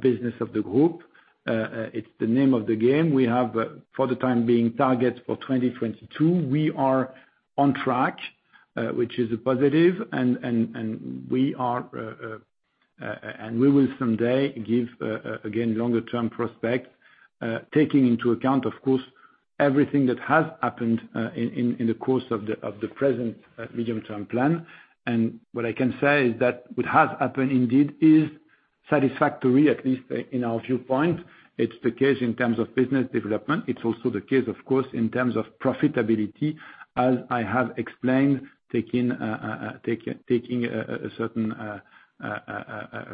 business of the group. It's the name of the game. We have, for the time being, targets for 2022. We are on track, which is a positive, and we will someday give, again, longer term prospects, taking into account, of course, everything that has happened in the course of the present medium-term plan. What I can say is that what has happened indeed is satisfactory, at least in our viewpoint. It's the case in terms of business development. It's also the case, of course, in terms of profitability, as I have explained, taking a certain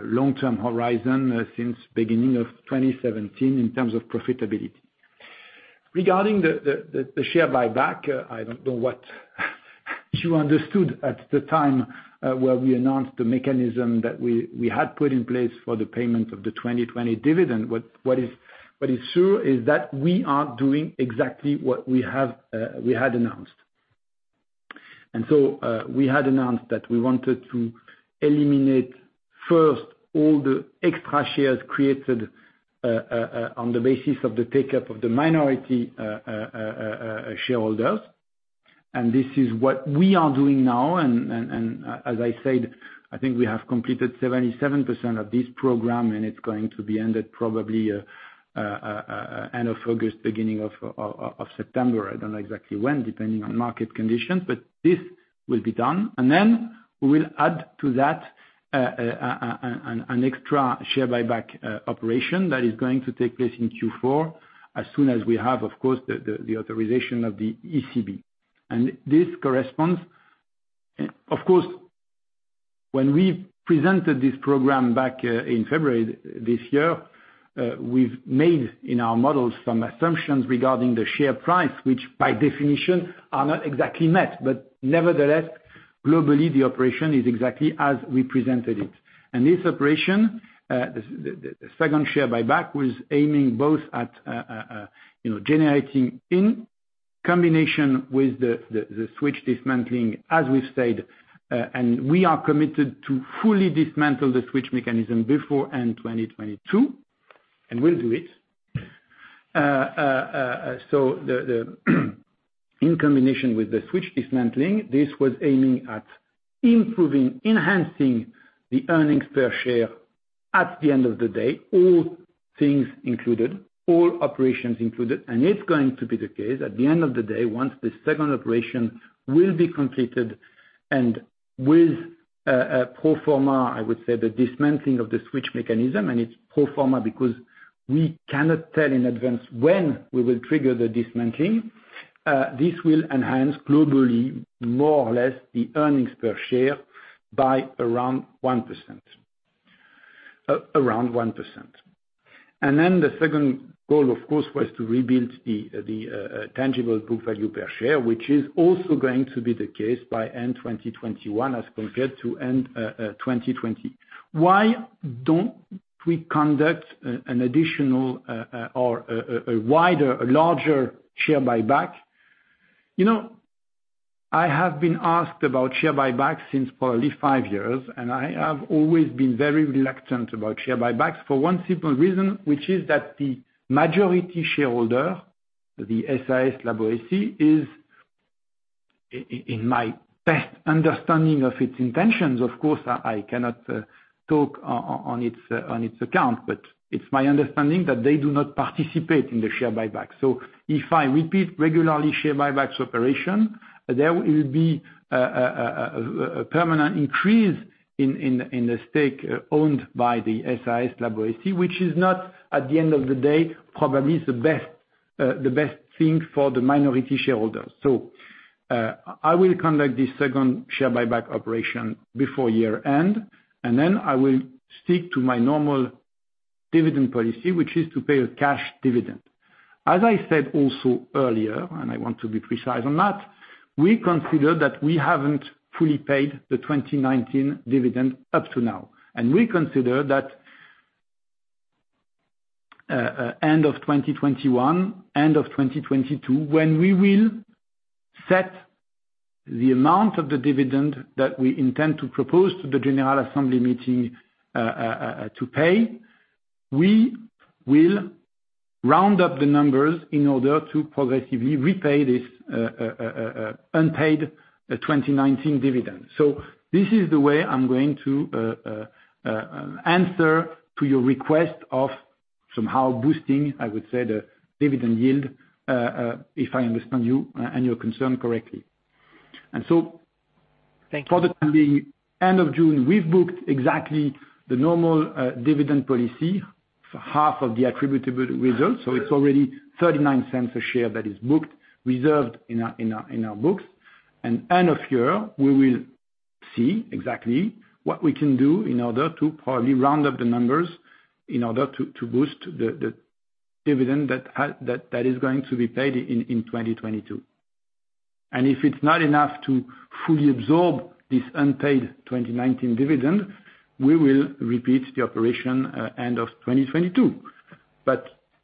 long-term horizon since beginning of 2017 in terms of profitability. Regarding the share buyback, I don't know what you understood at the time, where we announced the mechanism that we had put in place for the payment of the 2020 dividend. What is true is that we are doing exactly what we had announced. We had announced that we wanted to eliminate first all the extra shares created, on the basis of the take-up of the minority shareholders. This is what we are doing now, and as I said, I think we have completed 77% of this program, and it's going to be ended probably end of August, beginning of September. I don't know exactly when, depending on market conditions, but this will be done. Then we will add to that, an extra share buyback operation that is going to take place in Q4 as soon as we have, of course, the authorization of the ECB. This corresponds Of course, when we presented this program back in February this year, we've made in our models some assumptions regarding the share price, which by definition are not exactly met, but nevertheless, globally, the operation is exactly as we presented it. This operation, the second share buyback, was aiming both at generating in combination with the switch dismantling, as we've said, and we are committed to fully dismantle the switch mechanism before end 2022, and we'll do it. In combination with the switch dismantling, this was aiming at improving, enhancing the earnings per share at the end of the day. All things included, all operations included. It's going to be the case at the end of the day, once the second operation will be completed. With pro forma, I would say, the dismantling of the switch mechanism, it's pro forma because we cannot tell in advance when we will trigger the dismantling. This will enhance globally, more or less, the earnings per share by around 1%. The second goal, of course, was to rebuild the tangible book value per share, which is also going to be the case by end 2021 as compared to end 2020. Why don't we conduct an additional or a wider, larger share buyback? I have been asked about share buybacks since probably five years, and I have always been very reluctant about share buybacks for 1 simple reason, which is that the majority shareholder, the SAS Rue La Boétie, in my best understanding of its intentions, of course I cannot talk on its account, but it is my understanding that they do not participate in the share buyback. If I repeat regularly share buybacks operation, there will be a permanent increase in the stake owned by the SAS Rue La Boétie. Which is not, at the end of the day, probably the best thing for the minority shareholders. I will conduct the second share buyback operation before year-end, and then I will stick to my normal dividend policy, which is to pay a cash dividend. As I said also earlier, I want to be precise on that, we consider that we haven't fully paid the 2019 dividend up to now. We consider that end of 2021, end of 2022, when we will set the amount of the dividend that we intend to propose to the general assembly meeting to pay, we will round up the numbers in order to progressively repay this unpaid 2019 dividend. This is the way I'm going to answer to your request of somehow boosting, I would say, the dividend yield, if I understand you and your concern correctly. Thank you. For the end of June, we've booked exactly the normal dividend policy for half of the attributable results. It's already 0.39 a share that is booked, reserved in our books. End of year, we will see exactly what we can do in order to probably round up the numbers, in order to boost the dividend that is going to be paid in 2022. If it's not enough to fully absorb this unpaid 2019 dividend, we will repeat the operation end of 2022.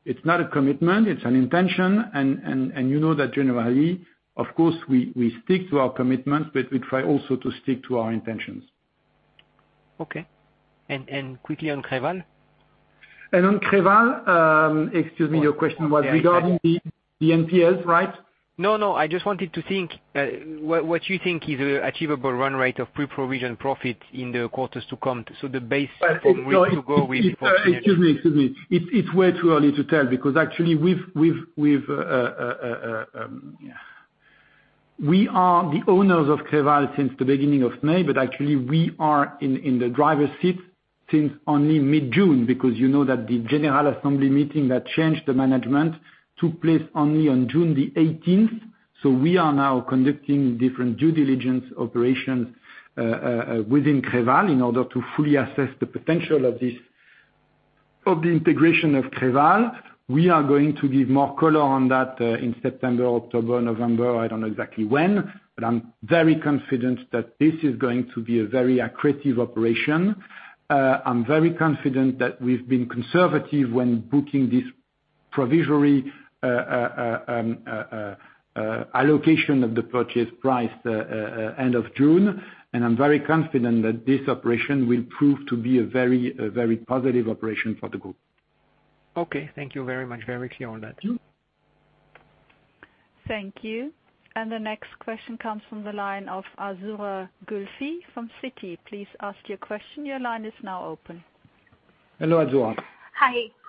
It's not a commitment, it's an intention. You know that generally, of course, we stick to our commitments, but we try also to stick to our intentions. Okay. Quickly on Creval. On Creval, excuse me, your question was regarding the NPLs, right? No, I just wanted to think what you think is achievable run rate of pre-provision profit in the quarters to come? Excuse me. It's way too early to tell because actually, we are the owners of Creval since the beginning of May, but actually we are in the driver's seat since only mid-June. You know that the general assembly meeting that changed the management took place only on June 18th. We are now conducting different due diligence operations within Creval in order to fully assess the potential of the integration of Creval. We are going to give more color on that, in September, October, November. I don't know exactly when, but I'm very confident that this is going to be a very accretive operation. I'm very confident that we've been conservative when booking this provisory allocation of the purchase price end of June. I'm very confident that this operation will prove to be a very positive operation for the group. Okay. Thank you very much. Very clear on that. Thank you. The next question comes from the line of Azzurra Guelfi from Citi. Please ask your question. Your line is now open. Hello, Azzurra.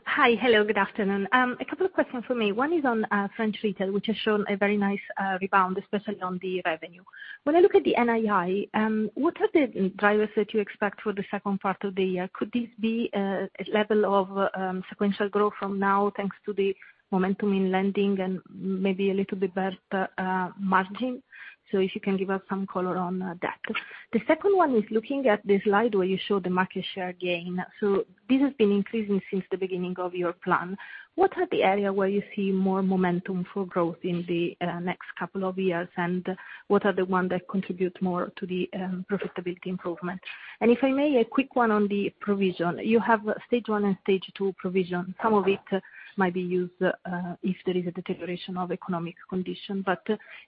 Hi. Hello, good afternoon. A couple of questions for me. One is on French retail, which has shown a very nice rebound, especially on the revenue. When I look at the NII, what are the drivers that you expect for the second part of the year? Could this be a level of sequential growth from now, thanks to the momentum in lending and maybe a little bit better margin? If you can give us some color on that. The second one is looking at the slide where you show the market share gain. This has been increasing since the beginning of your plan. What are the area where you see more momentum for growth in the next couple of years, and what are the one that contribute more to the profitability improvement? If I may, a quick one on the provision. You have stage one and stage two provision. Some of it might be used, if there is a deterioration of economic condition.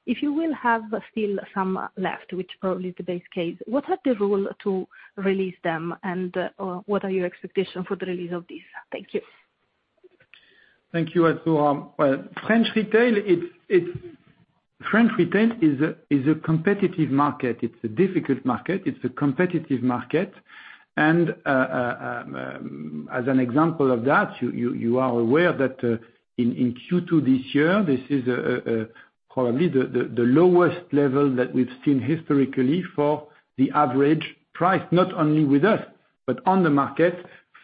If you will have still some left, which probably is the base case, what are the rule to release them and what are your expectation for the release of this? Thank you. Thank you, Azzurra. French Retail is a competitive market. It's a difficult market. It's a competitive market. As an example of that, you are aware that, in Q2 this year, this is probably the lowest level that we've seen historically for the average price, not only with us, but on the market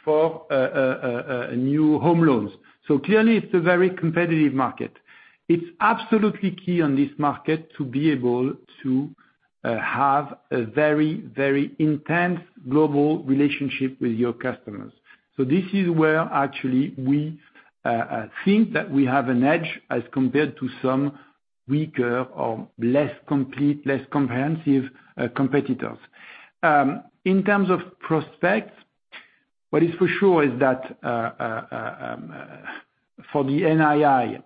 for new home loans. Clearly it's a very competitive market. It's absolutely key on this market to be able to have a very intense global relationship with your customers. This is where actually we think that we have an edge as compared to some weaker or less complete, less comprehensive, competitors. In terms of prospects, what is for sure is that, for the NII.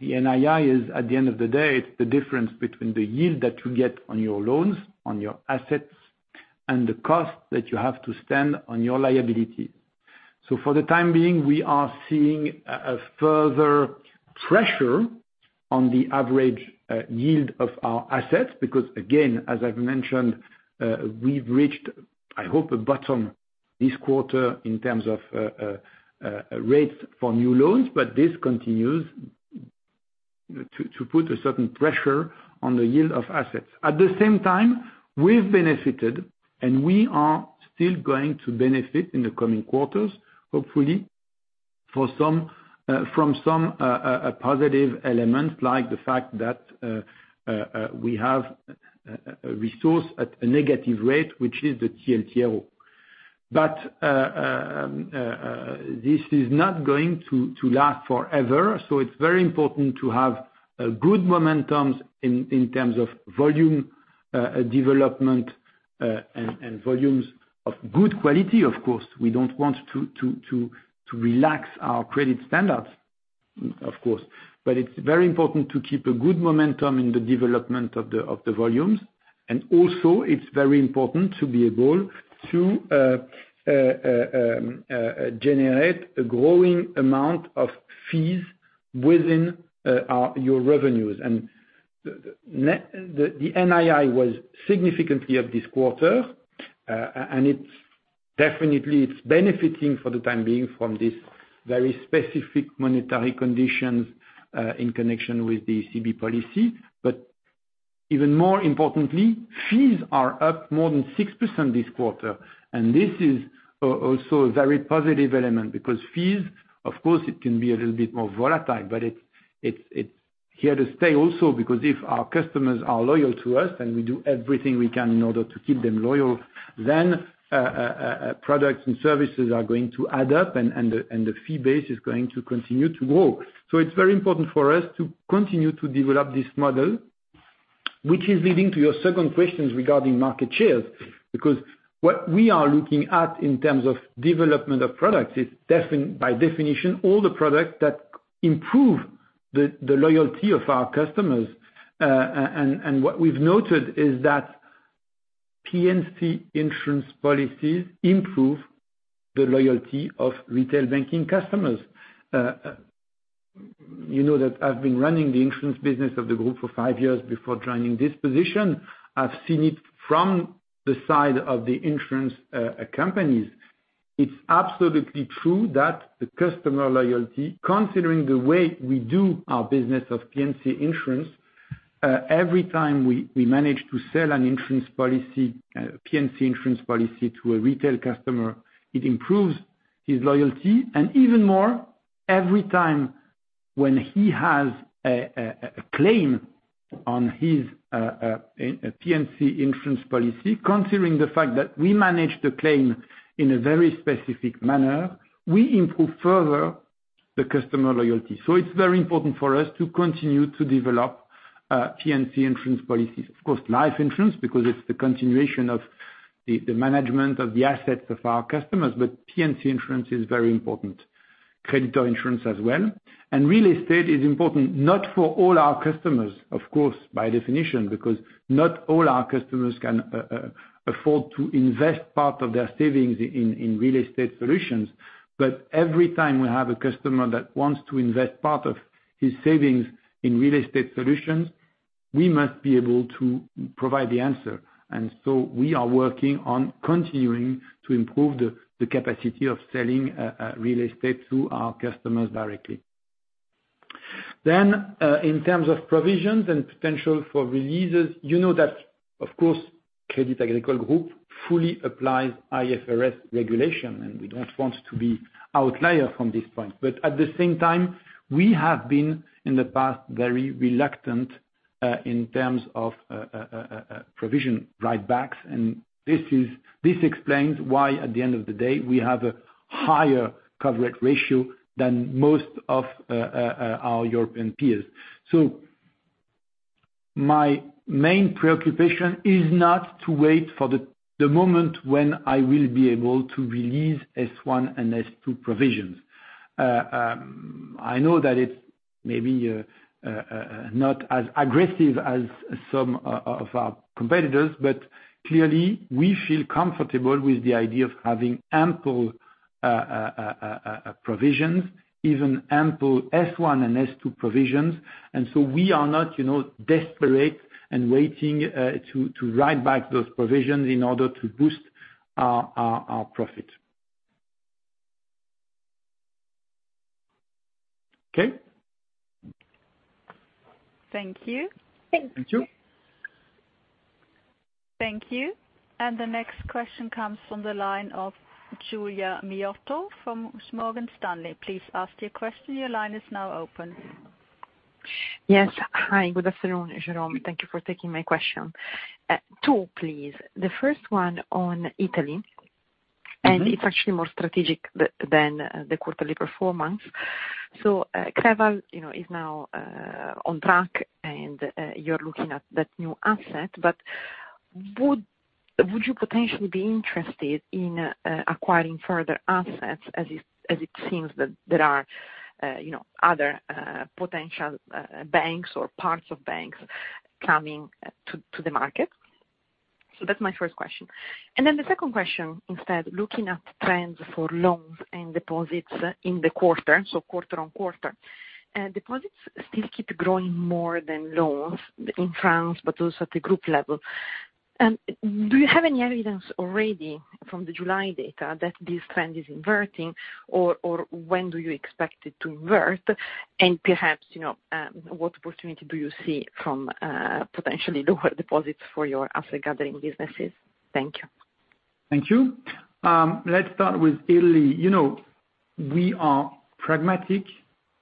The NII is, at the end of the day, it's the difference between the yield that you get on your loans, on your assets, and the cost that you have to stand on your liability. For the time being, we are seeing a further pressure on the average yield of our assets because again, as I've mentioned, we've reached, I hope, a bottom this quarter in terms of rates for new loans, but this continues to put a certain pressure on the yield of assets. At the same time, we've benefited, and we are still going to benefit in the coming quarters, hopefully from some positive elements like the fact that we have a resource at a negative rate, which is the TLTRO. This is not going to last forever, so it's very important to have good momentums in terms of volume development, and volumes of good quality, of course. We don't want to relax our credit standards, of course. It's very important to keep a good momentum in the development of the volumes, and also it's very important to be able to generate a growing amount of fees within your revenues. The NII was significantly up this quarter, and definitely, it's benefiting for the time being from this very specific monetary conditions, in connection with the ECB policy. Even more importantly, fees are up more than 6% this quarter, and this is also a very positive element because fees, of course, it can be a little bit more volatile, but it's here to stay also because if our customers are loyal to us and we do everything we can in order to keep them loyal, products and services are going to add up, and the fee base is going to continue to grow. It's very important for us to continue to develop this model, which is leading to your second questions regarding market shares. What we are looking at in terms of development of products is by definition, all the products that improve the loyalty of our customers. What we've noted is that P&C insurance policies improve the loyalty of retail banking customers. You know that I've been running the insurance business of the group for five years before joining this position. I've seen it from the side of the insurance companies. It's absolutely true that the customer loyalty, considering the way we do our business of P&C insurance, every time we manage to sell a P&C insurance policy to a retail customer, it improves his loyalty. Even more every time when he has a claim on his P&C insurance policy, considering the fact that we manage the claim in a very specific manner, we improve further the customer loyalty. It's very important for us to continue to develop P&C insurance policies. Of course, life insurance, because it's the continuation of the management of the assets of our customers. P&C insurance is very important. Creditor insurance as well. Real estate is important not for all our customers, of course, by definition, because not all our customers can afford to invest part of their savings in real estate solutions. Every time we have a customer that wants to invest part of his savings in real estate solutions, we must be able to provide the answer. We are working on continuing to improve the capacity of selling real estate to our customers directly. In terms of provisions and potential for releases, you know that of course, Crédit Agricole Group fully applies IFRS regulation, and we don't want to be outlier from this point. At the same time, we have been in the past very reluctant in terms of provision write-backs. This explains why at the end of the day, we have a higher coverage ratio than most of our European peers. My main preoccupation is not to wait for the moment when I will be able to release S1 and S2 provisions. I know that it's maybe not as aggressive as some of our competitors, but clearly we feel comfortable with the idea of having ample provisions, even ample S1 and S2 provisions. We are not desperate and waiting to write back those provisions in order to boost our profit. Okay. Thank you. Thank you. The next question comes from the line of Giulia Miotto from Morgan Stanley. Please ask your question. Yes. Hi, good afternoon, Jérôme. Thank you for taking my question. Two, please. The first one on Italy. It's actually more strategic than the quarterly performance. Creval is now on track, and you're looking at that new asset. Would you potentially be interested in acquiring further assets, as it seems that there are other potential banks or parts of banks coming to the market? That's my first question. The second question, instead, looking at trends for loans and deposits in the quarter, so quarter-on-quarter. Deposits still keep growing more than loans in France, but also at the group level. Do you have any evidence already from the July data that this trend is inverting? When do you expect it to invert? Perhaps, what opportunity do you see from potentially lower deposits for your asset gathering businesses? Thank you. Thank you. Let's start with Italy. We are pragmatic,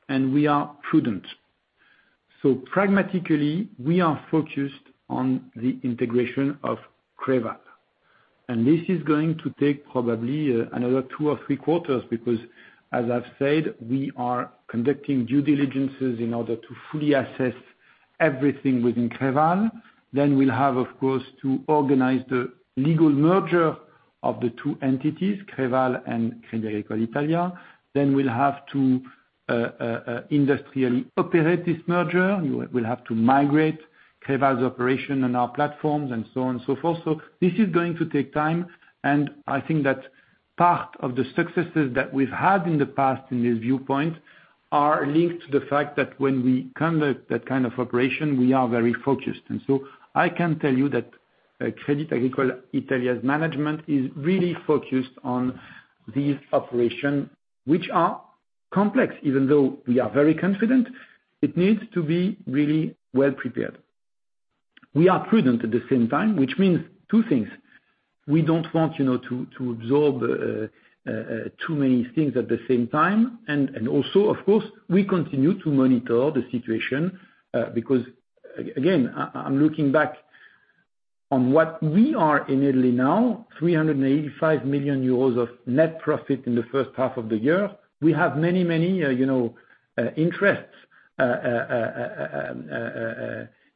and we are prudent. Pragmatically, we are focused on the integration of Creval, and this is going to take probably another two or three quarters because, as I've said, we are conducting due diligences in order to fully assess everything within Creval. We'll have, of course, to organize the legal merger of the two entities, Creval and Crédit Agricole Italia. We'll have to industrially operate this merger. We'll have to migrate Creval's operation on our platforms and so on and so forth. This is going to take time, and I think that part of the successes that we've had in the past in this viewpoint are linked to the fact that when we conduct that kind of operation, we are very focused. I can tell you that Crédit Agricole Italia's management is really focused on these operations, which are complex. Even though we are very confident, it needs to be really well prepared. We are prudent at the same time, which means two things. We don't want to absorb too many things at the same time. Also, of course, we continue to monitor the situation. Because, again, I'm looking back on what we are in Italy now, 385 million euros of net profit in the first half of the year. We have many, many interests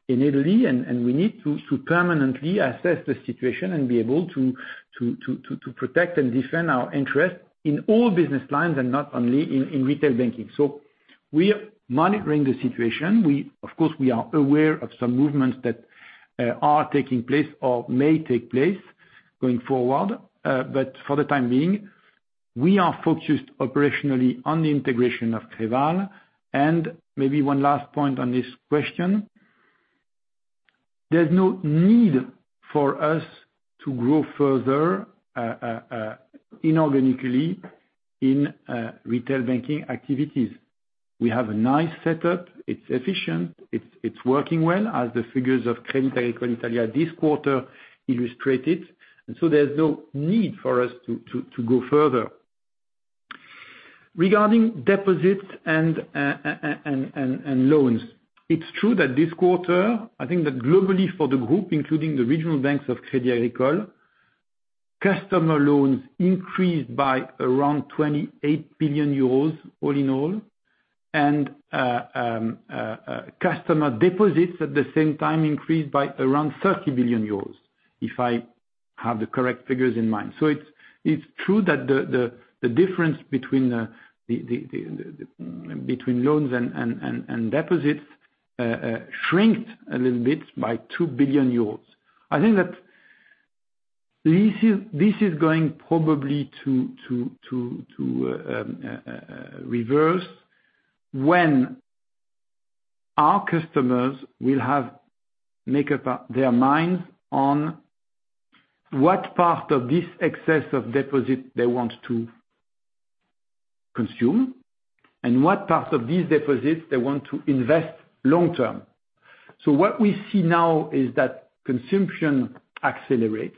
in Italy, and we need to permanently assess the situation and be able to protect and defend our interests in all business lines and not only in retail banking. We are monitoring the situation. Of course, we are aware of some movements that are taking place or may take place going forward. For the time being, we are focused operationally on the integration of Creval. Maybe one last point on this question, there's no need for us to grow further inorganically in retail banking activities. We have a nice setup. It's efficient. It's working well, as the figures of Crédit Agricole Italia this quarter illustrated. There's no need for us to go further. Regarding deposits and loans, it's true that this quarter, I think that globally for the group, including the regional banks of Crédit Agricole, customer loans increased by around 28 billion euros all in all. Customer deposits, at the same time, increased by around 30 billion euros, if I have the correct figures in mind. It's true that the difference between loans and deposits shrank a little bit by 2 billion euros. I think that this is going probably to reverse when our customers will have make up their minds on what part of this excess of deposit they want to consume and what part of these deposits they want to invest long-term. What we see now is that consumption accelerates.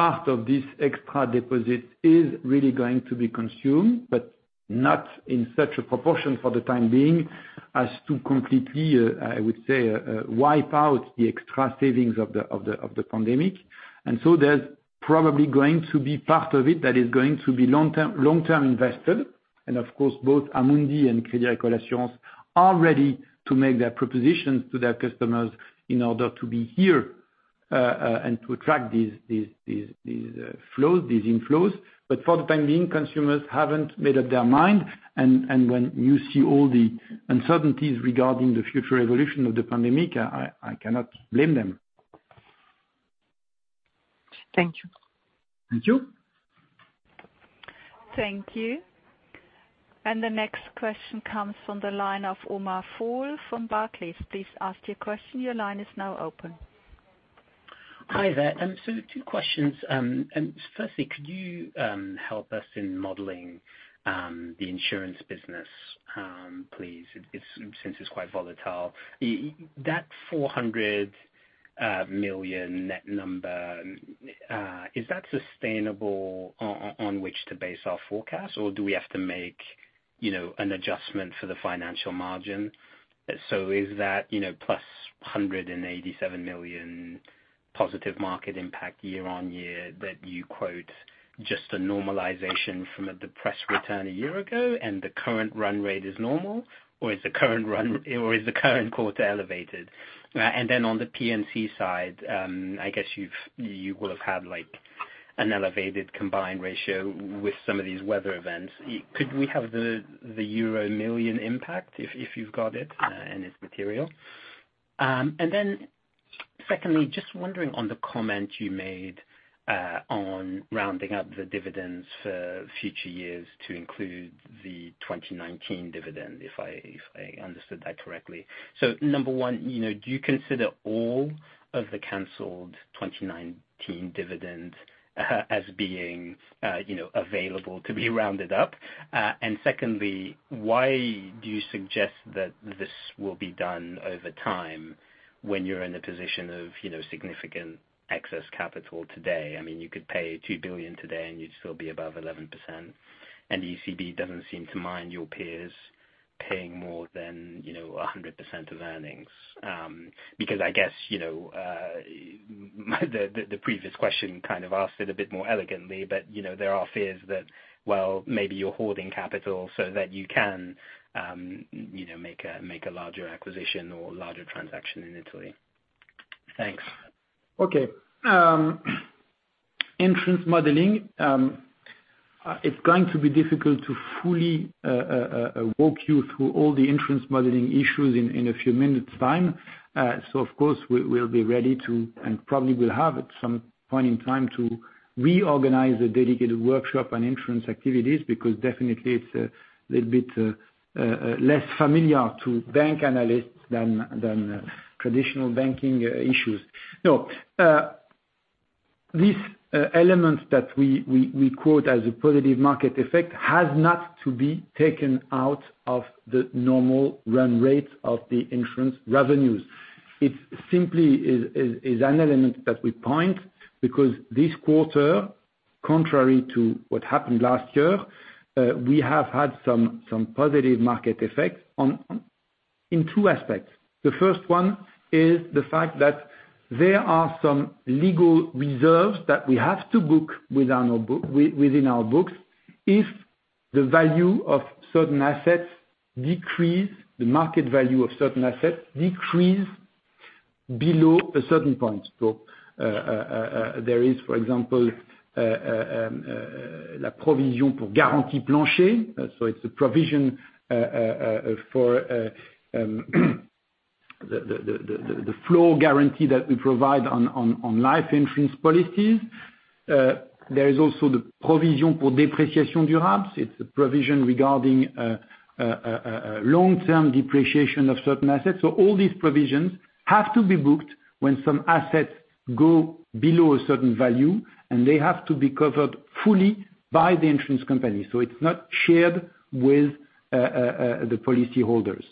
Part of this extra deposit is really going to be consumed, but not in such a proportion for the time being as to completely, I would say, wipe out the extra savings of the pandemic. There's probably going to be part of it that is going to be long-term invested, and of course, both Amundi and Crédit Agricole Assurances are ready to make their propositions to their customers in order to be here, and to attract these inflows. For the time being, consumers haven't made up their mind, and when you see all the uncertainties regarding the future evolution of the pandemic, I cannot blame them. Thank you. Thank you. Thank you. The next question comes from the line of Omar Fall from Barclays. Hi there. Two questions. Firstly, could you help us in modeling the insurance business please? Since it's quite volatile. That 400 million net number, is that sustainable on which to base our forecast, or do we have to make an adjustment for the financial margin? Is that +187 million positive market impact year-on-year that you quote just a normalization from a depressed return a year ago and the current run rate is normal? Or is the current quarter elevated? On the P&C side, I guess you will have had an elevated combined ratio with some of these weather events. Could we have the euro million impact, if you've got it and it's material? Secondly, just wondering on the comment you made on rounding up the dividends for future years to include the 2019 dividend, if I understood that correctly. Number one, do you consider all of the canceled 2019 dividends as being available to be rounded up? Secondly, why do you suggest that this will be done over time when you're in a position of significant excess capital today? You could pay 2 billion today and you'd still be above 11%, and the ECB doesn't seem to mind your peers paying more than 100% of earnings. I guess, the previous question kind of asked it a bit more elegantly, but there are fears that, well, maybe you're holding capital so that you can make a larger acquisition or larger transaction in Italy. Thanks. Okay. Insurance modeling. It's going to be difficult to fully walk you through all the insurance modeling issues in a few minutes' time. Of course, we'll be ready to, and probably will have at some point in time, to reorganize a dedicated workshop on insurance activities, because definitely it's a little bit less familiar to bank analysts than traditional banking issues. No, these elements that we quote as a positive market effect has not to be taken out of the normal run rates of the insurance revenues. It simply is an element that we point because this quarter, contrary to what happened last year, we have had some positive market effects in two aspects. The first one is the fact that there are some legal reserves that we have to book within our books if the value of certain assets decrease, the market value of certain assets decrease below a certain point. There is, for example, provision pour garantie plancher. It's a provision for the floor guarantee that we provide on life insurance policies. There is also the provision pour dépréciations durables. It's a provision regarding long-term depreciation of certain assets. All these provisions have to be booked when some assets go below a certain value, and they have to be covered fully by the insurance company. It's not shared with the policyholders.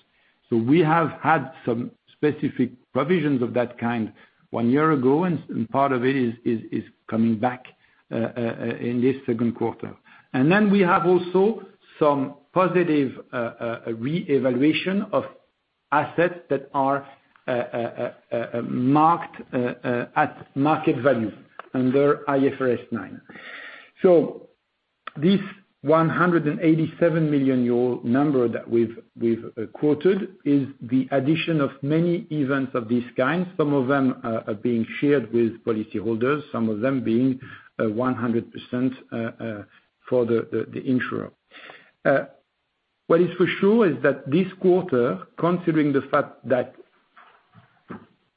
We have had some specific provisions of that kind one year ago, and part of it is coming back in this second quarter. We have also some positive re-evaluation of assets that are marked at market value under IFRS 9. This 187 million euro number that we've quoted is the addition of many events of this kind. Some of them are being shared with policyholders, some of them being 100% for the insurer. What is for sure is that this quarter, considering the fact that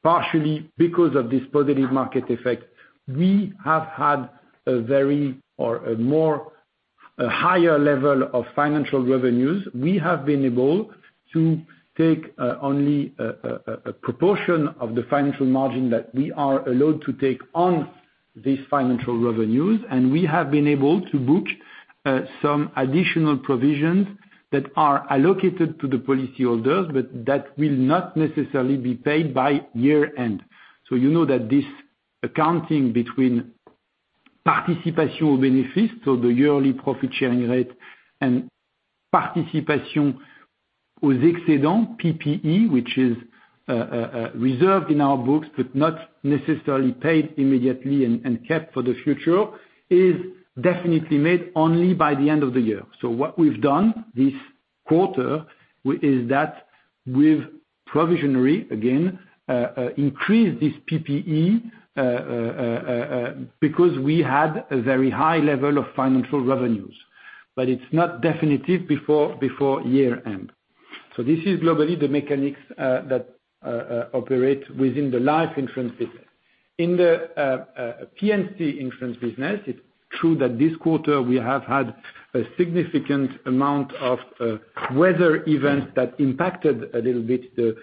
partially because of this positive market effect, we have had a more higher level of financial revenues. We have been able to take only a proportion of the financial margin that we are allowed to take on these financial revenues. We have been able to book some additional provisions that are allocated to the policyholders, but that will not necessarily be paid by year-end. You know that this accounting between participation benefits, so the yearly profit-sharing rate and participation aux excedents, PPE, which is reserved in our books but not necessarily paid immediately and kept for the future, is definitely made only by the end of the year. What we've done this quarter is that we've provisionally, again, increased this PPE because we had a very high level of financial revenues. It's not definitive before year-end. This is globally the mechanics that operate within the life insurance business. In the P&C insurance business, it's true that this quarter we have had a significant amount of weather events that impacted a little bit the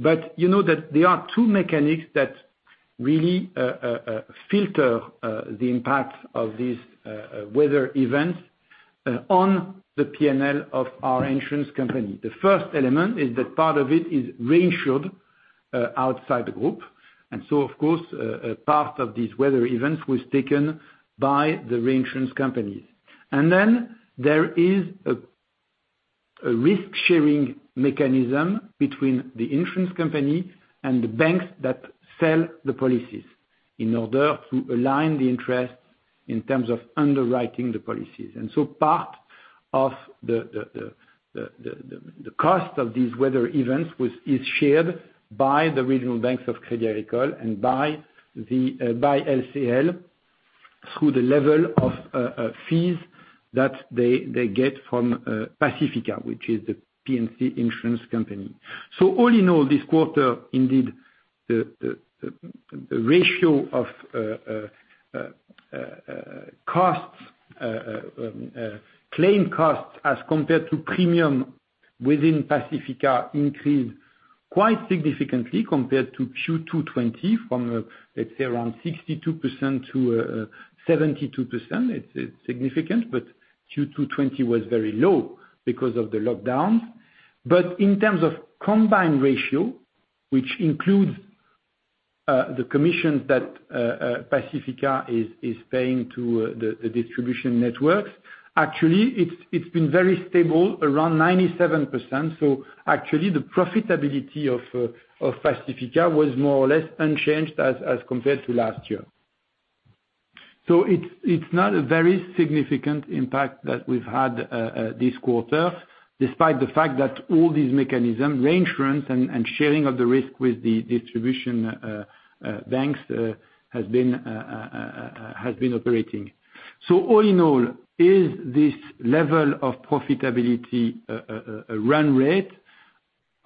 P&L. You know that there are two mechanics that really filter the impact of these weather events on the P&L of our insurance company. The first element is that part of it is reinsured outside the group. Of course, a part of these weather events was taken by the reinsurance companies. There is a risk-sharing mechanism between the insurance company and the banks that sell the policies in order to align the interest in terms of underwriting the policies. Part of the cost of these weather events is shared by the regional banks of Crédit Agricole and by LCL through the level of fees that they get from Pacifica, which is the P&C insurance company. All in all, this quarter indeed, the ratio of claim costs as compared to premium within Pacifica increased quite significantly compared to Q2 2020 from, let's say, around 62% to 72%. It's significant, but Q2 2020 was very low because of the lockdowns. In terms of combined ratio, which includes the commissions that Pacifica is paying to the distribution networks, actually it's been very stable, around 97%. Actually the profitability of Pacifica was more or less unchanged as compared to last year. It's not a very significant impact that we've had this quarter, despite the fact that all these mechanisms, reinsurance and sharing of the risk with the distribution banks has been operating. All in all, is this level of profitability a run rate?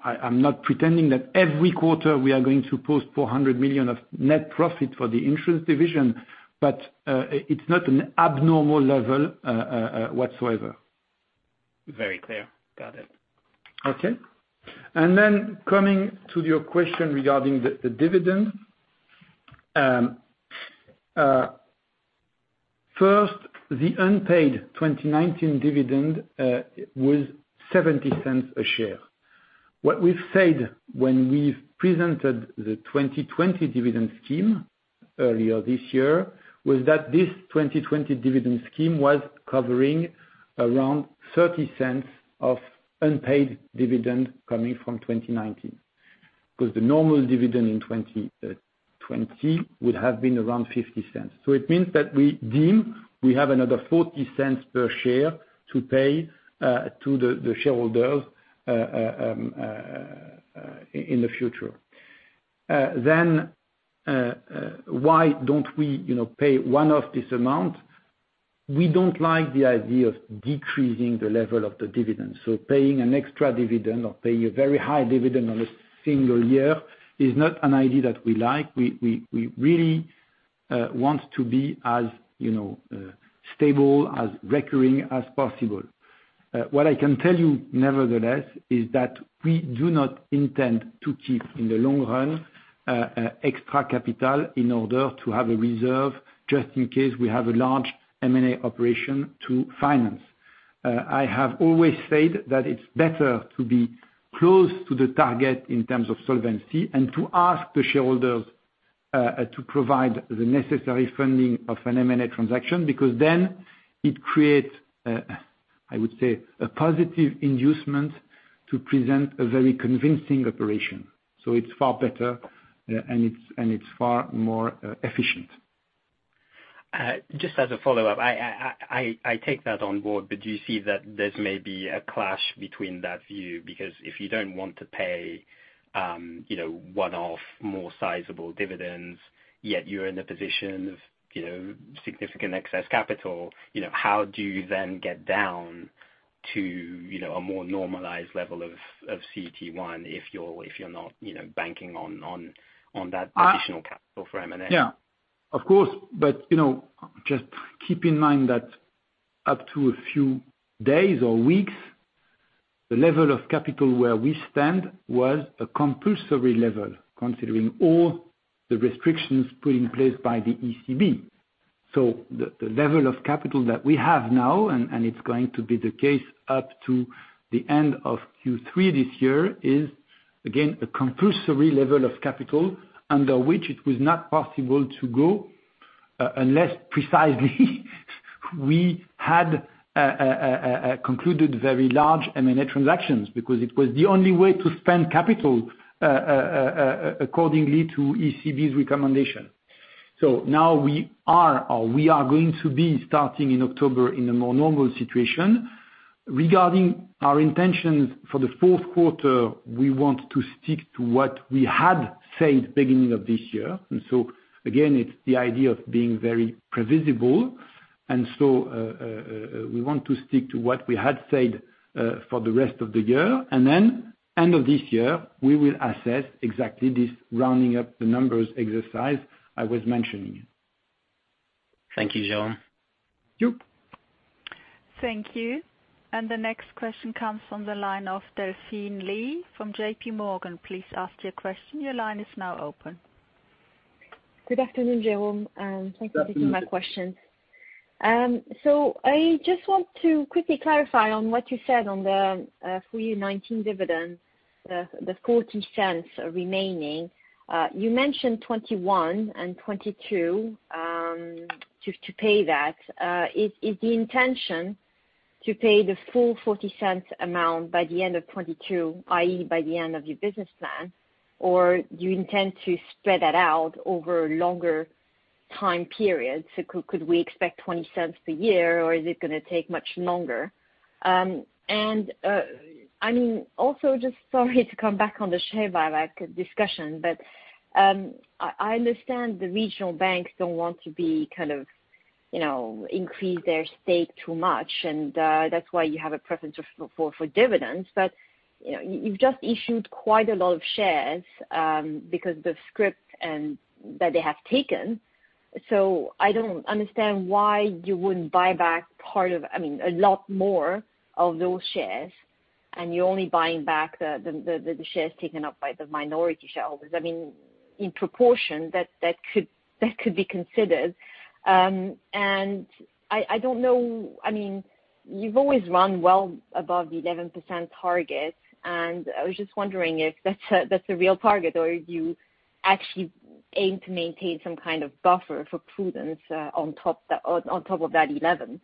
I'm not pretending that every quarter we are going to post 400 million of net profit for the insurance division, but it's not an abnormal level whatsoever. Very clear. Got it. Okay. Coming to your question regarding the dividend. First, the unpaid 2019 dividend was 0.70 a share. What we've said when we've presented the 2020 dividend scheme earlier this year was that this 2020 dividend scheme was covering around 0.30 of unpaid dividend coming from 2019, because the normal dividend in 2020 would have been around 0.50. It means that we deem we have another 0.40 per share to pay to the shareholders in the future. Why don't we pay one-off this amount? We don't like the idea of decreasing the level of the dividend. Paying an extra dividend or paying a very high dividend on a single year is not an idea that we like. We really want to be as stable, as recurring as possible. What I can tell you, nevertheless, is that we do not intend to keep, in the long run, extra capital in order to have a reserve, just in case we have a large M&A operation to finance. I have always said that it's better to be close to the target in terms of solvency and to ask the shareholders to provide the necessary funding of an M&A transaction, because then it creates, I would say, a positive inducement to present a very convincing operation. It's far better, and it's far more efficient. Just as a follow-up, I take that on board, but do you see that there's maybe a clash between that view? Because if you don't want to pay one-off more sizable dividends, yet you're in a position of significant excess capital, how do you then get down to a more normalized level of CET1 if you're not banking on that additional capital for M&A? Yeah. Of course. Just keep in mind that up to a few days or weeks, the level of capital where we stand was a compulsory level, considering all the restrictions put in place by the ECB. The level of capital that we have now, and it's going to be the case up to the end of Q3 this year, is again, a compulsory level of capital under which it was not possible to go, unless precisely we had concluded very large M&A transactions. Because it was the only way to spend capital accordingly to ECB's recommendation. Now we are going to be starting in October in a more normal situation. Regarding our intentions for the fourth quarter, we want to stick to what we had said beginning of this year, again, it's the idea of being very predictable. We want to stick to what we had said for the rest of the year. Then end of this year, we will assess exactly this rounding up the numbers exercise I was mentioning. Thank you, Jérôme. Thank you. Thank you. The next question comes from the line of Delphine Lee from JPMorgan. Please ask your question. Your line is now open. Good afternoon, Jérôme, and thank you for taking my question. I just want to quickly clarify on what you said on the full year 2019 dividends, the 0.40 remaining. You mentioned 2021 and 2022 to pay that. Is the intention to pay the full 0.40 amount by the end of 2022, i.e., by the end of your business plan, or do you intend to spread that out over longer time periods? Could we expect 0.20 per year, or is it going to take much longer? Also just sorry to come back on the share buyback discussion, but I understand the regional banks don't want to increase their stake too much, and that's why you have a preference for dividends. You've just issued quite a lot of shares, because the scrip that they have taken. I don't understand why you wouldn't buy back a lot more of those shares, you're only buying back the shares taken up by the minority shareholders. In proportion, that could be considered. I don't know, you've always run well above the 11% target, and I was just wondering if that's a real target, or you actually aim to maintain some kind of buffer for prudence on top of that 11.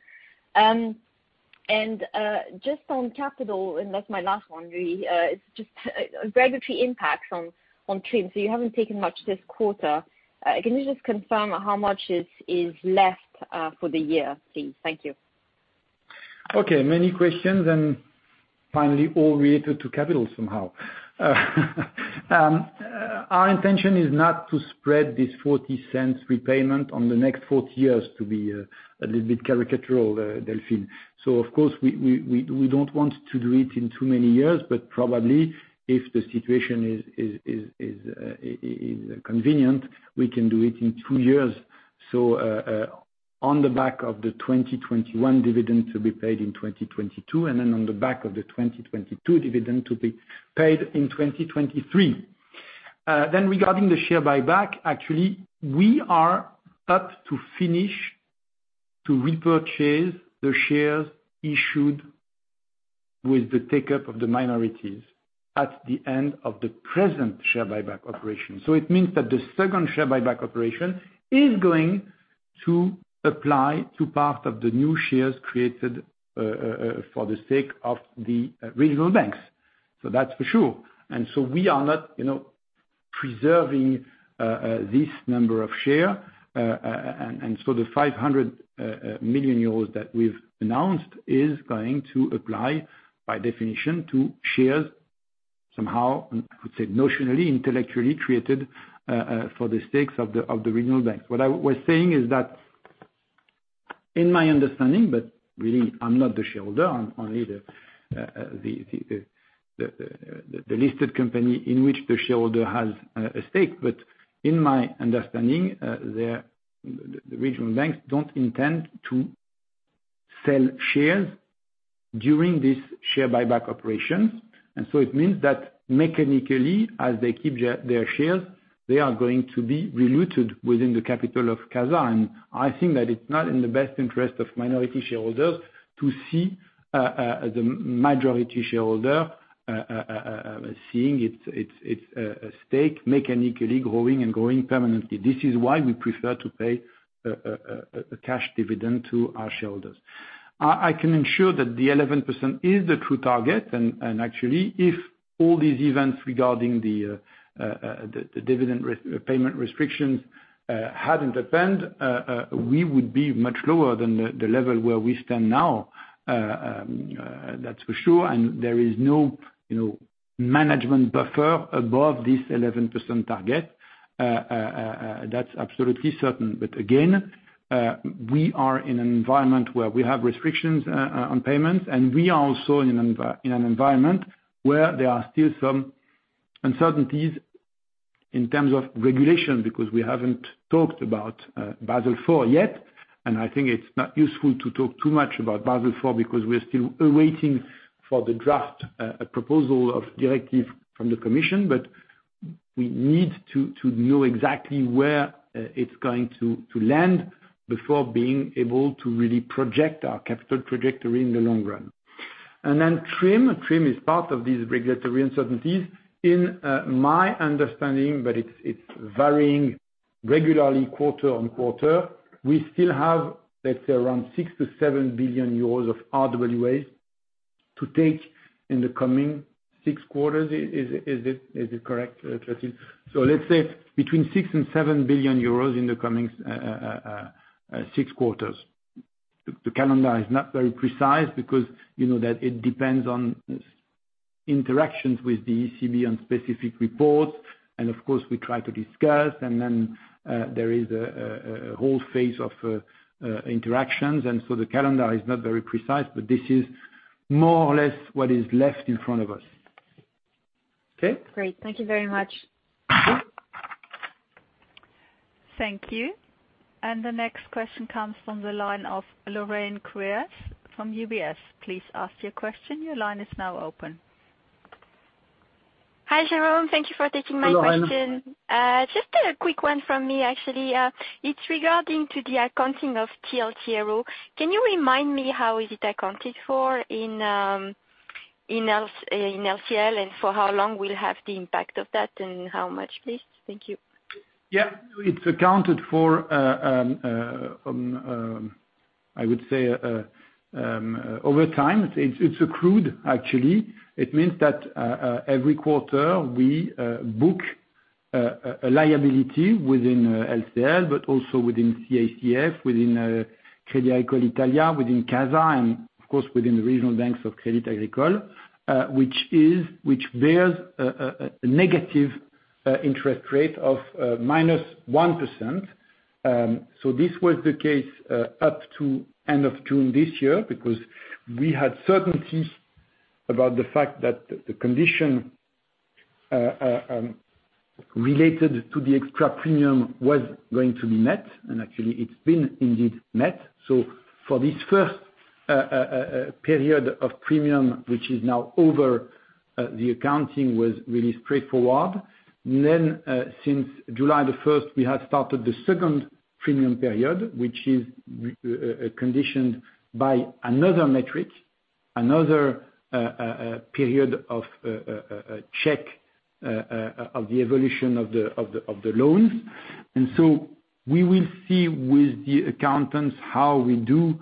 Just on capital, and that's my last one really, is just regulatory impact on TRIM. You haven't taken much this quarter. Can you just confirm how much is left for the year, please. Thank you. Okay. Many questions, finally, all related to capital somehow. Our intention is not to spread this 0.40 repayment on the next 40 years, to be a little bit caricatural, Delphine. Of course, we don't want to do it in too many years, but probably if the situation is convenient, we can do it in two years. On the back of the 2021 dividend to be paid in 2022, on the back of the 2022 dividend to be paid in 2023. Regarding the share buyback, actually, we are about to finish to repurchase the shares issued with the take-up of the minorities at the end of the present share buyback operation. It means that the second share buyback operation is going to apply to part of the new shares created for the sake of the regional banks. That's for sure. We are not preserving this number of share. The 500 million euros that we've announced is going to apply, by definition, to shares somehow, I would say notionally, intellectually, created for the sakes of the regional banks. What I was saying is that in my understanding, but really, I'm not the shareholder, I'm only the listed company in which the shareholder has a stake. In my understanding, the regional banks don't intend to sell shares during this share buyback operations. It means that mechanically, as they keep their shares, they are going to be diluted within the capital of CASA. I think that it's not in the best interest of minority shareholders to see the majority shareholder seeing its stake mechanically growing and growing permanently. This is why we prefer to pay a cash dividend to our shareholders. Actually, if all these events regarding the dividend payment restrictions hadn't happened, we would be much lower than the level where we stand now. That's for sure. There is no management buffer above this 11% target. That's absolutely certain. Again, we are in an environment where we have restrictions on payments, and we are also in an environment where there are still some uncertainties in terms of regulation, because we haven't talked about Basel IV yet. I think it's not useful to talk too much about Basel IV because we're still awaiting for the draft proposal of directive from the commission. We need to know exactly where it's going to land before being able to really project our capital trajectory in the long run. Then TRIM. TRIM is part of these regulatory uncertainties. In my understanding, but it's varying regularly quarter on quarter. We still have, let's say around 6 billion-7 billion euros of RWA to take in the coming six quarters. Let's say between 6 billion and 7 billion euros in the coming six quarters. The calendar is not very precise because you know that it depends on interactions with the ECB on specific reports, and of course, we try to discuss, and then there is a whole phase of interactions. The calendar is not very precise, but this is more or less what is left in front of us. Okay? Great. Thank you very much. Thank you. The next question comes from the line of Lorraine Quoirez from UBS. Please ask your question. Your line is now open. Hi, Jérôme. Thank you for taking my question. Hello. Just a quick one from me actually. It's regarding to the accounting of TLTRO. Can you remind me how is it accounted for in LCL, and for how long we'll have the impact of that, and how much, please? Thank you. Yeah. It's accounted for, I would say, over time. It's accrued, actually. It means that every quarter we book a liability within LCL, but also within CACF, within Crédit Agricole Italia, within CASA, and of course, within the regional banks of Crédit Agricole, which bears a negative interest rate of -1%. This was the case up to end of June this year because we had certainties about the fact that the condition related to the extra premium was going to be met, and actually, it's been indeed met. For this first period of premium, which is now over, the accounting was really straightforward. Since July the 1st, we have started the second premium period, which is conditioned by another metric, another period of check of the evolution of the loans. We will see with the accountants how we do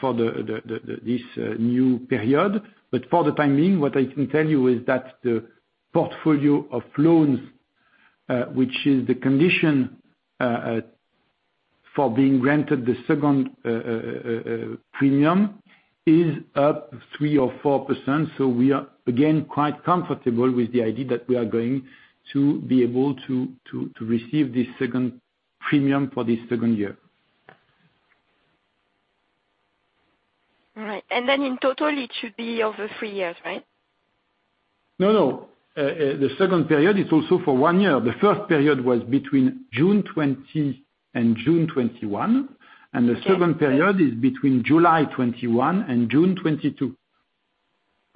for this new period. For the time being, what I can tell you is that the portfolio of loans, which is the condition for being granted the second premium, is up 3% or 4%. We are, again, quite comfortable with the idea that we are going to be able to receive this second premium for this second year. Right. In total, it should be over three years, right? No. The second period is also for one year. The first period was between June 2020 and June 2021. Okay. The second period is between July 2021 and June 2022.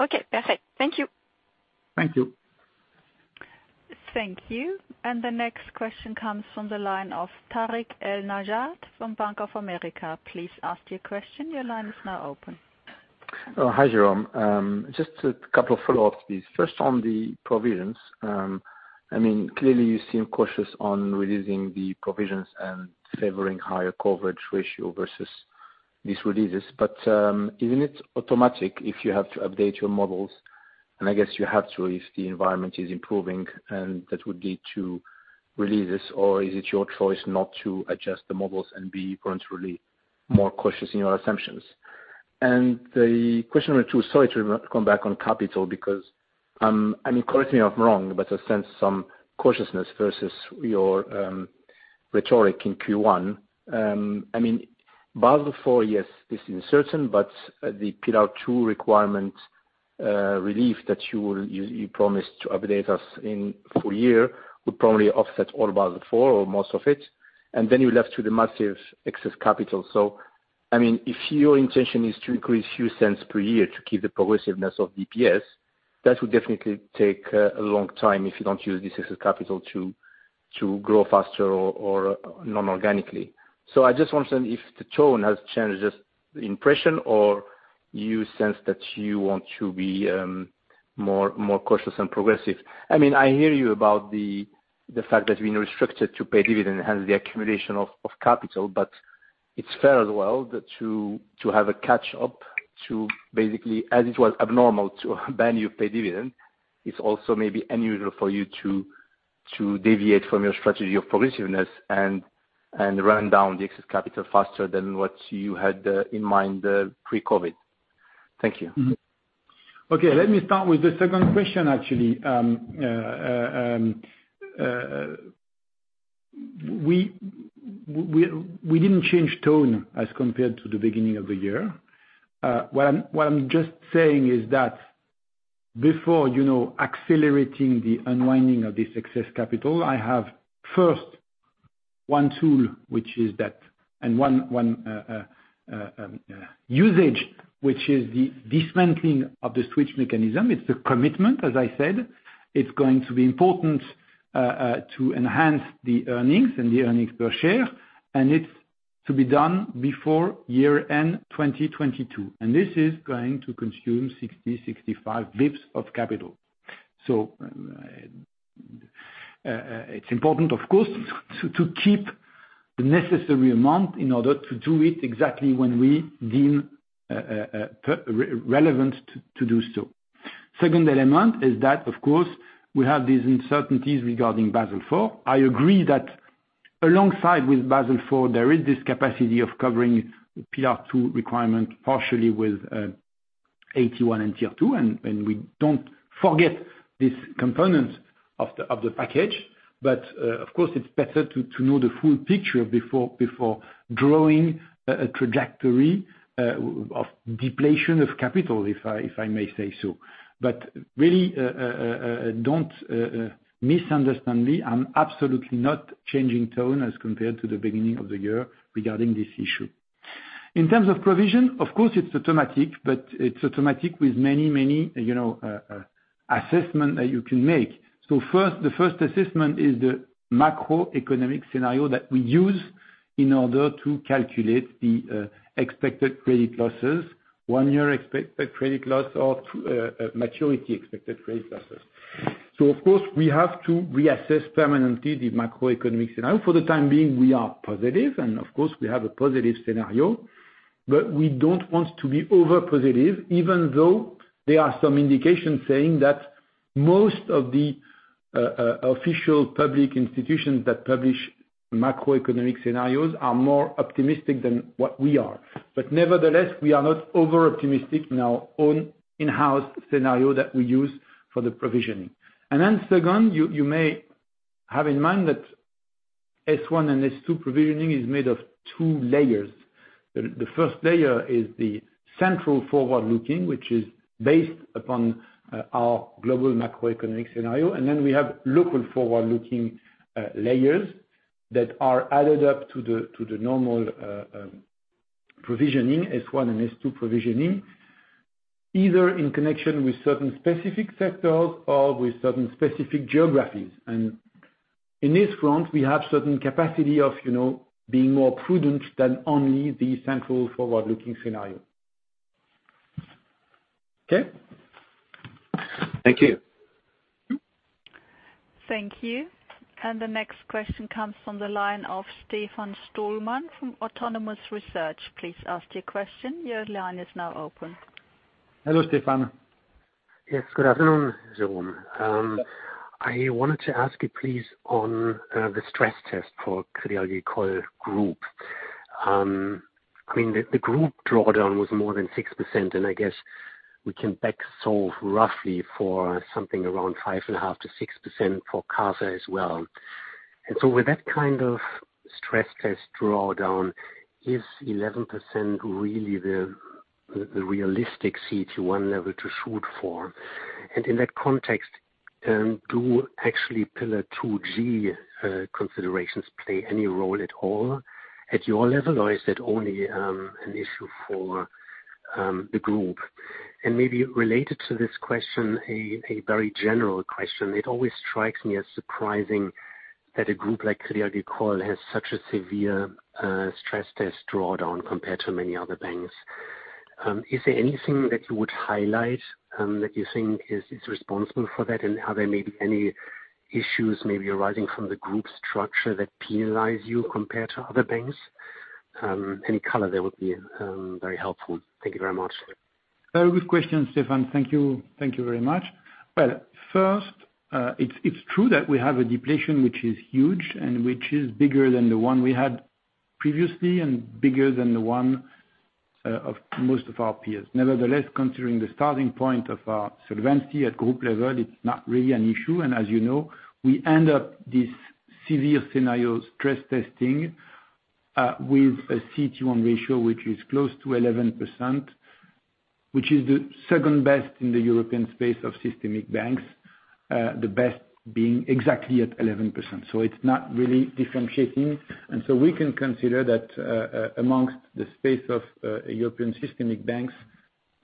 Okay. Perfect. Thank you. Thank you. Thank you. The next question comes from the line of Tarik El Mejjad from Bank of America. Please ask your question. Your line is now open. Hi, Jérôme. Just a couple of follow-ups. First, on the provisions. Clearly, you seem cautious on releasing the provisions and favoring higher coverage ratio versus these releases. Isn't it automatic if you have to update your models? I guess you have to if the environment is improving, and that would lead to releases, or is it your choice not to adjust the models and be voluntarily more cautious in your assumptions? The question number two, sorry to come back on capital because, correct me if I'm wrong, but I sense some cautiousness versus your rhetoric in Q1. Basel IV, yes, is uncertain, the Pillar two requirement relief that you promised to update us in full year would probably offset all Basel IV or most of it. You're left with the massive excess capital. If your intention is to increase a few cents per year to keep the progressiveness of DPS, that would definitely take a long time if you don't use this excess capital to grow faster or non-organically. I just want to know if the tone has changed, just the impression, or you sense that you want to be more cautious and progressive. I hear you about the fact that being restricted to pay dividend has the accumulation of capital, but it's fair as well to have a catch-up to basically, as it was abnormal to ban you pay dividend, it's also maybe unusual for you to deviate from your strategy of progressiveness and run down the excess capital faster than what you had in mind pre-COVID. Thank you. Okay. Let me start with the second question, actually. We didn't change tone as compared to the beginning of the year. What I'm just saying is that before accelerating the unwinding of this excess capital, I have first one tool and one usage, which is the dismantling of the switch mechanism. It's the commitment, as I said. It's going to be important to enhance the earnings and the earnings per share, and it's to be done before year-end 2022. This is going to consume 60, 65 basis points of capital. It's important, of course, to keep the necessary amount in order to do it exactly when we deem relevant to do so. Second element is that, of course, we have these uncertainties regarding Basel IV. Alongside with Basel IV, there is this capacity of covering Pillar two requirement partially with AT1 and Tier two, and we don't forget this component of the package. Of course, it's better to know the full picture before drawing a trajectory of depletion of capital, if I may say so. Really, don't misunderstand me. I'm absolutely not changing tone as compared to the beginning of the year regarding this issue. In terms of provision, of course, it's automatic, but it's automatic with many assessment that you can make. The first assessment is the macroeconomic scenario that we use in order to calculate the expected credit losses, one year expected credit loss or maturity expected credit losses. Of course, we have to reassess permanently the macroeconomic scenario. For the time being, we are positive, and of course, we have a positive scenario. We don't want to be over-positive, even though there are some indications saying that most of the official public institutions that publish macroeconomic scenarios are more optimistic than what we are. Nevertheless, we are not over-optimistic in our own in-house scenario that we use for the provisioning. Second, you may have in mind that S1 and S2 provisioning is made of two layers. The first layer is the central forward-looking, which is based upon our global macroeconomic scenario. We have local forward-looking layers that are added up to the normal provisioning, S1 and S2 provisioning, either in connection with certain specific sectors or with certain specific geographies. In this front, we have certain capacity of being more prudent than only the central forward-looking scenario. Okay. Thank you. Thank you. The next question comes from the line of Stefan Stalmann from Autonomous Research. Please ask your question. Your line is now open. Hello, Stefan. Yes. Good afternoon, Jérôme. I wanted to ask you, please, on the stress test for Crédit Agricole Group. I mean, the group drawdown was more than 6%. I guess we can back solve roughly for something around 5.5%-6% for CASA as well. With that kind of stress test drawdown, is 11% really the realistic CET1 level to shoot for? In that context, do actually Pillar 2G considerations play any role at all at your level, or is that only an issue for the group? Maybe related to this question, a very general question. It always strikes me as surprising that a group like Crédit Agricole has such a severe stress test drawdown compared to many other banks. Is there anything that you would highlight that you think is responsible for that? Are there maybe any issues arising from the group structure that penalize you compared to other banks? Any color there would be very helpful. Thank you very much. Very good question, Stefan. Thank you. Thank you very much. Well, first, it's true that we have a depletion, which is huge and which is bigger than the one we had previously and bigger than the one of most of our peers. Considering the starting point of our solvency at group level, it's not really an issue. As you know, we end up this severe scenario stress testing, with a CET1 ratio, which is close to 11%, which is the second-best in the European space of systemic banks. The best being exactly at 11%. It's not really differentiating. We can consider that amongst the space of European systemic banks,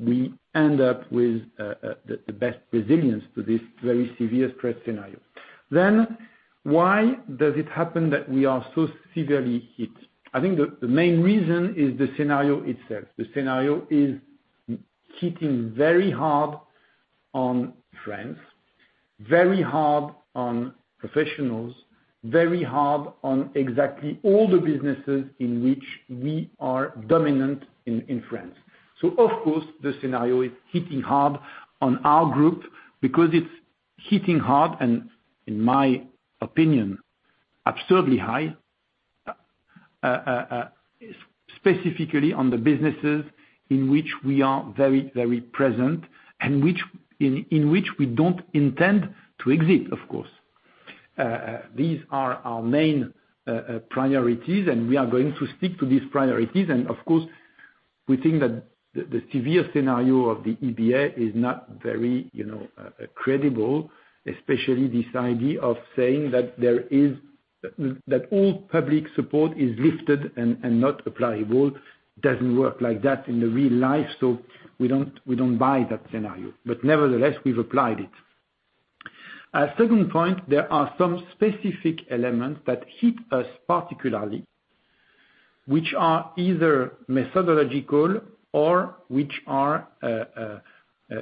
we end up with the best resilience to this very severe stress scenario. Why does it happen that we are so severely hit? I think the main reason is the scenario itself. The scenario is hitting very hard on France, very hard on professionals, very hard on exactly all the businesses in which we are dominant in France. Of course, the scenario is hitting hard on our group because it's hitting hard, and in my opinion, absurdly high, specifically on the businesses in which we are very present and in which we don't intend to exit, of course. These are our main priorities, and we are going to stick to these priorities. Of course, we think that the severe scenario of the EBA is not very credible, especially this idea of saying that all public support is lifted and not applicable, doesn't work like that in the real life. We don't buy that scenario. Nevertheless, we've applied it. A second point, there are some specific elements that hit us particularly, which are either methodological or which are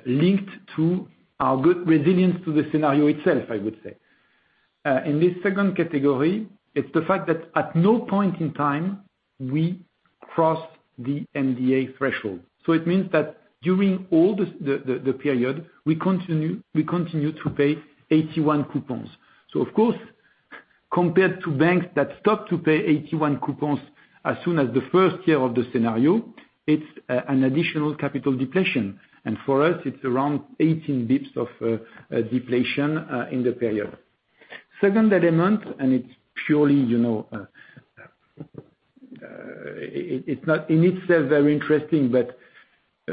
linked to our good resilience to the scenario itself, I would say. In this second category, it's the fact that at no point in time we across the MDA threshold. It means that during all the period, we continue to pay AT1 coupons. Of course, compared to banks that stop to pay AT1 coupons as soon as the first year of the scenario, it's an additional capital depletion. For us it's around 18 basis points of depletion in the period. Second element, and it's purely, in itself very interesting, but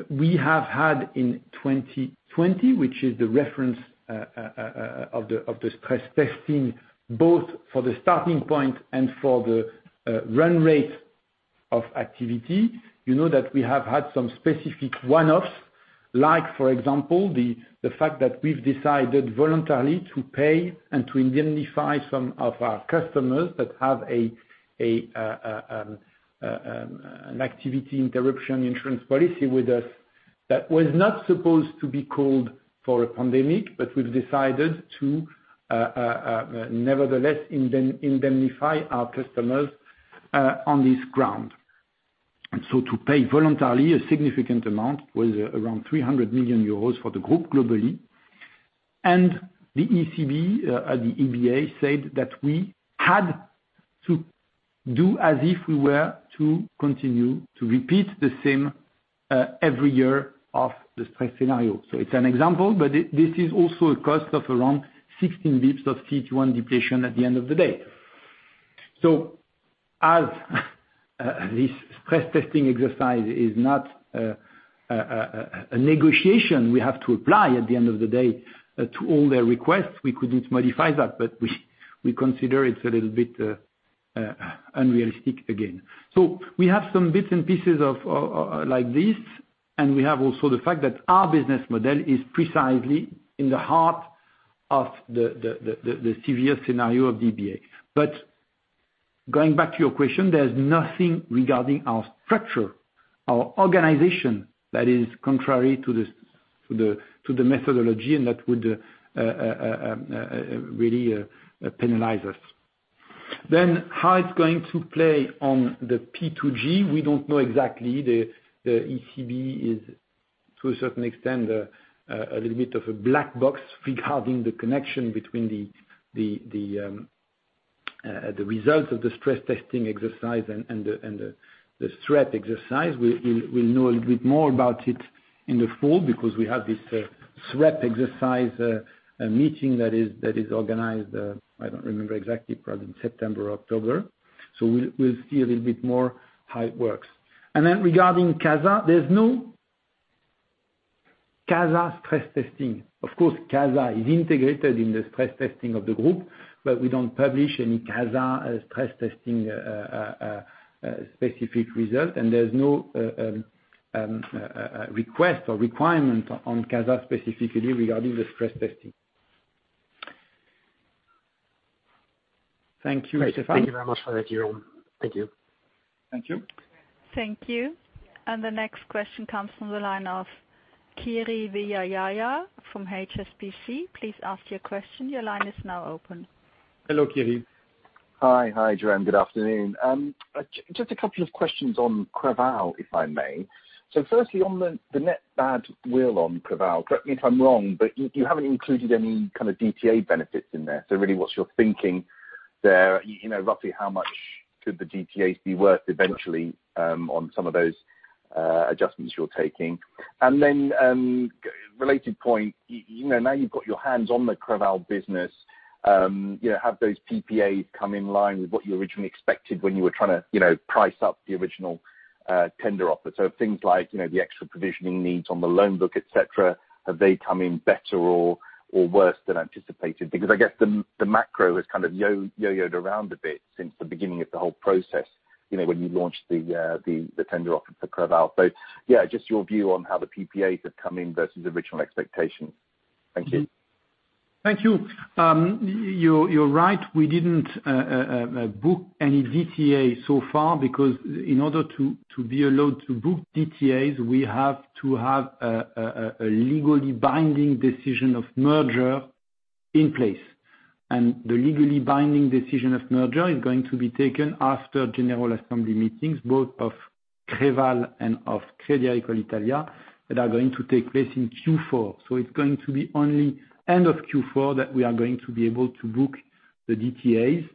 we have had in 2020, which is the reference of the stress testing both for the starting point and for the run rate of activity, you know that we have had some specific one-offs. Like for example, the fact that we've decided voluntarily to pay and to indemnify some of our customers that have an activity interruption insurance policy with us that was not supposed to be called for a pandemic, but we've decided to, nevertheless indemnify our customers on this ground. To pay voluntarily a significant amount was around 300 million euros for the group globally. The ECB, the EBA said that we had to do as if we were to continue to repeat the same every year of the stress scenario. It's an example, but this is also a cost of around 16 basis points of CET1 depletion at the end of the day. As this stress testing exercise is not a negotiation, we have to apply at the end of the day to all their requests, we couldn't modify that. We consider it a little bit unrealistic again. We have some bits and pieces like this, and we have also the fact that our business model is precisely in the heart of the adverse scenario of EBA. Going back to your question, there's nothing regarding our structure, our organization that is contrary to the methodology and that would really penalize us. How it's going to play on the P2G, we don't know exactly. The ECB is to a certain extent, a little bit of a black box regarding the connection between the results of the stress testing exercise and the stress exercise. We'll know a little bit more about it in the fall because we have this stress exercise, a meeting that is organized, I don't remember exactly, probably in September or October. We'll see a little bit more how it works. Regarding CASA, there's no CASA stress testing. Of course, CASA is integrated in the stress testing of the group, but we don't publish any CASA stress testing specific result, and there's no request or requirement on CASA specifically regarding the stress testing. Thank you, Stefan. Thank you very much for that, Jérôme. Thank you. Thank you. Thank you. The next question comes from the line of Kiri Vijayarajah from HSBC. Please ask your question. Hello, Kiri. Hi, Jérôme. Good afternoon. Just a couple of questions on Creval, if I may. Firstly, on the net badwill on Creval, correct me if I'm wrong, but you haven't included any kind of DTA benefits in there. Really what's your thinking there? Roughly how much could the DTAs be worth eventually, on some of those adjustments you're taking? Then, related point, now you've got your hands on the Creval business, have those PPAs come in line with what you originally expected when you were trying to price up the original tender offer? Things like, the extra provisioning needs on the loan book, et cetera, have they come in better or worse than anticipated? I guess the macro has kind of yo-yoed around a bit since the beginning of the whole process, when you launched the tender offer for Creval. Yeah, just your view on how the PPAs have come in versus original expectations? Thank you. Thank you. You're right, we didn't book any DTA so far because in order to be allowed to book DTAs, we have to have a legally binding decision of merger in place. The legally binding decision of merger is going to be taken after general assembly meetings, both of Creval and of Crédit Agricole Italia, that are going to take place in Q4. It's going to be only end of Q4 that we are going to be able to book the DTAs.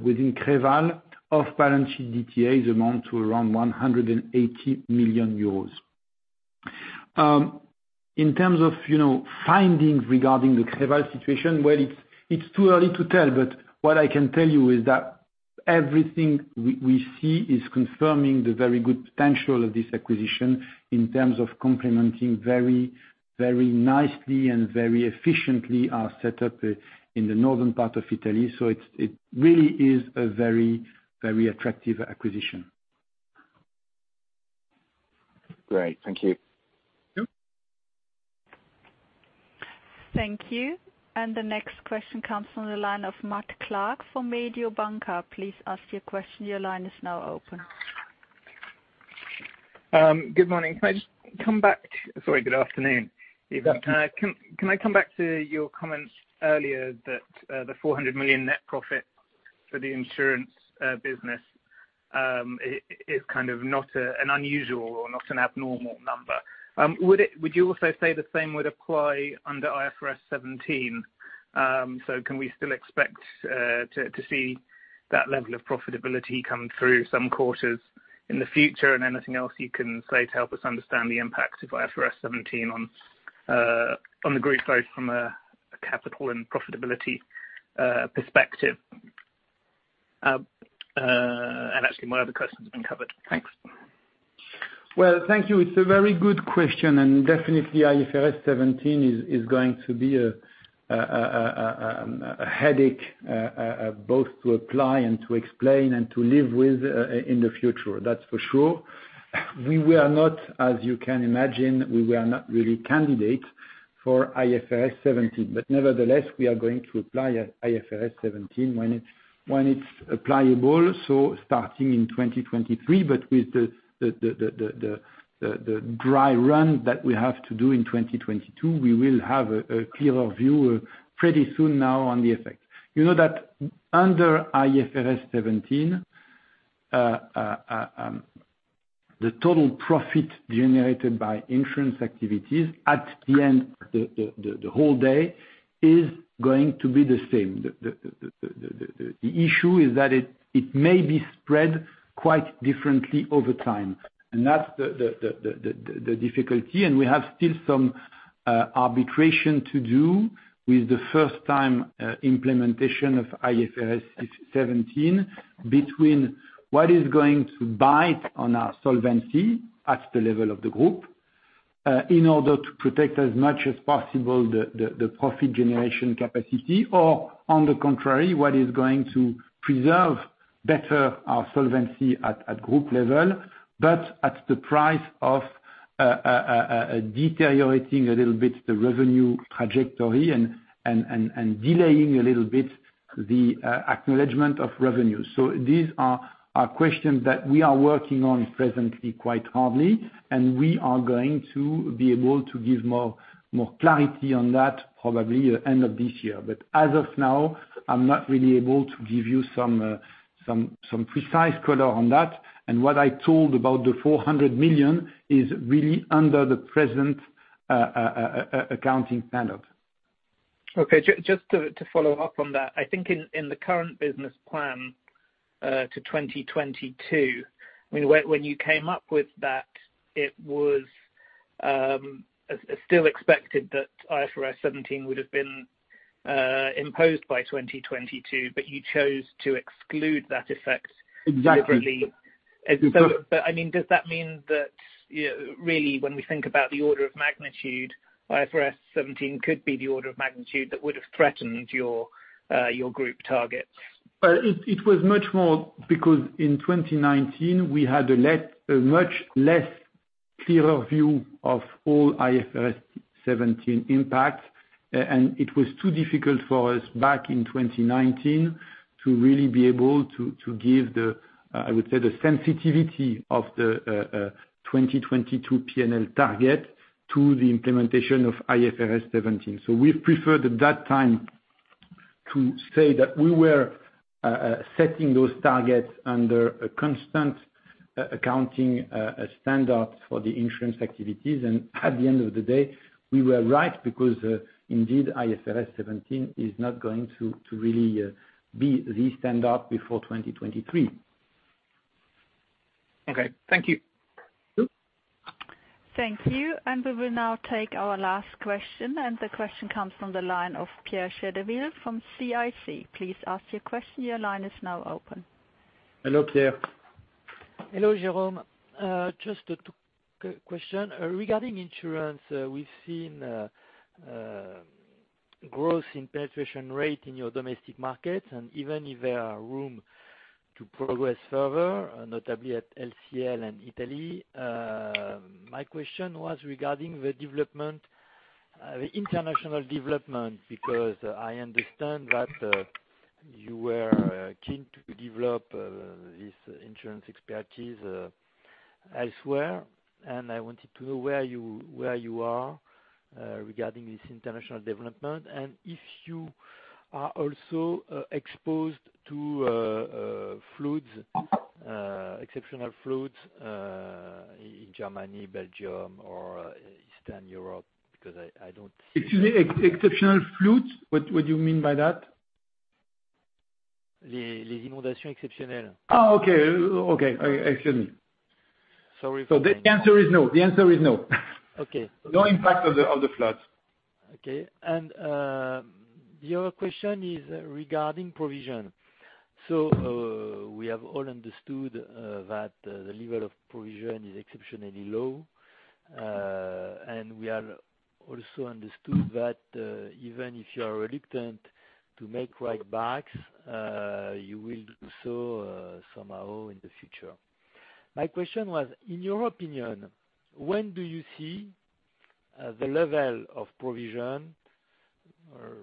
Within Creval, off-balance sheet DTAs amount to around 180 million euros. In terms of findings regarding the Creval situation, well it's too early to tell, but what I can tell you is that everything we see is confirming the very good potential of this acquisition in terms of complementing very nicely and very efficiently our setup in the northern part of Italy. It really is a very attractive acquisition. Great. Thank you. Yep. Thank you. The next question comes from the line of Matt Clark from Mediobanca. Please ask your question. Good morning. Sorry. Good afternoon, Yves. Good afternoon. Can I come back to your comments earlier that the 400 million net profit for the insurance business is not an unusual or not an abnormal number? Would you also say the same would apply under IFRS 17? Can we still expect to see that level of profitability come through some quarters in the future? Anything else you can say to help us understand the impact of IFRS 17 on the group, both from a capital and profitability perspective? Actually, my other question's been covered. Thanks. Well, thank you. It's a very good question. Definitely IFRS 17 is going to be a headache, both to apply and to explain and to live with in the future. That's for sure. We were not, as you can imagine, really candidate for IFRS 17. Nevertheless, we are going to apply IFRS 17 when it's applicable. Starting in 2023, but with the dry run that we have to do in 2022. We will have a clearer view pretty soon now on the effect. You know that under IFRS 17, the total profit generated by insurance activities at the end of the whole day is going to be the same. The issue is that it may be spread quite differently over time, and that's the difficulty. We have still some arbitration to do with the first-time implementation of IFRS 17 between what is going to bite on our solvency at the level of the group in order to protect as much as possible the profit generation capacity. On the contrary, what is going to preserve better our solvency at group level, but at the price of deteriorating a little bit the revenue trajectory and delaying a little bit the acknowledgment of revenue. These are questions that we are working on presently quite hardly, and we are going to be able to give more clarity on that probably at the end of this year. As of now, I am not really able to give you some precise color on that. What I told about the 400 million is really under the present accounting standard. Okay. Just to follow up on that, I think in the current business plan to 2022, when you came up with that, it was still expected that IFRS 17 would have been imposed by 2022, but you chose to exclude that effect separately. Does that mean that really when we think about the order of magnitude, IFRS 17 could be the order of magnitude that would have threatened your group targets? It was much more because in 2019, we had a much less clearer view of all IFRS 17 impacts, and it was too difficult for us back in 2019 to really be able to give the, I would say, the sensitivity of the 2022 P&L target to the implementation of IFRS 17. We preferred at that time to say that we were setting those targets under a constant accounting standard for the insurance activities. At the end of the day, we were right, because indeed, IFRS 17 is not going to really be the standard before 2023. Okay. Thank you. Thank you. We will now take our last question. The question comes from the line of Pierre Chédeville from CIC. Please ask your question. Hello, Pierre. Hello, Jérôme. Just two question. Regarding insurance, we've seen growth in penetration rate in your domestic markets and even if there are room to progress further, notably at LCL and Italy. My question was regarding the international development, because I understand that you were keen to develop this insurance expertise elsewhere, and I wanted to know where you are regarding this international development and if you are also exposed to exceptional floods in Germany, Belgium or Eastern Europe? Excuse me. Exceptional floods? What do you mean by that? Oh, okay. Excuse me. Sorry for that. The answer is no. Okay. No impact of the floods. Okay. The other question is regarding provision. We have all understood that the level of provision is exceptionally low. We are also understood that even if you are reluctant to make write backs, you will do so somehow in the future. My question was, in your opinion, when do you see the level of provision or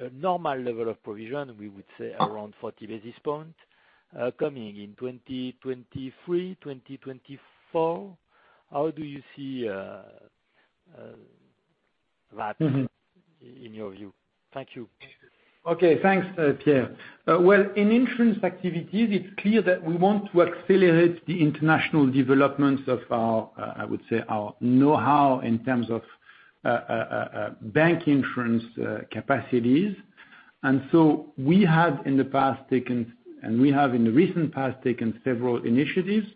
a normal level of provision, we would say around 40 basis points, coming in 2023, 2024. How do you see that in your view? Thank you. Okay, thanks, Pierre. Well, in insurance activities, it's clear that we want to accelerate the international developments of, I would say, our know-how in terms of bancassurance capacities. We have in the recent past taken several initiatives.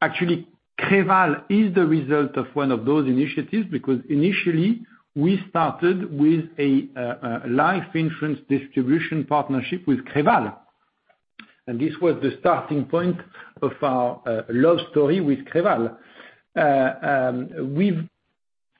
Actually, Creval is the result of one of those initiatives, because initially we started with a life insurance distribution partnership with Creval. This was the starting point of our love story with Creval. We've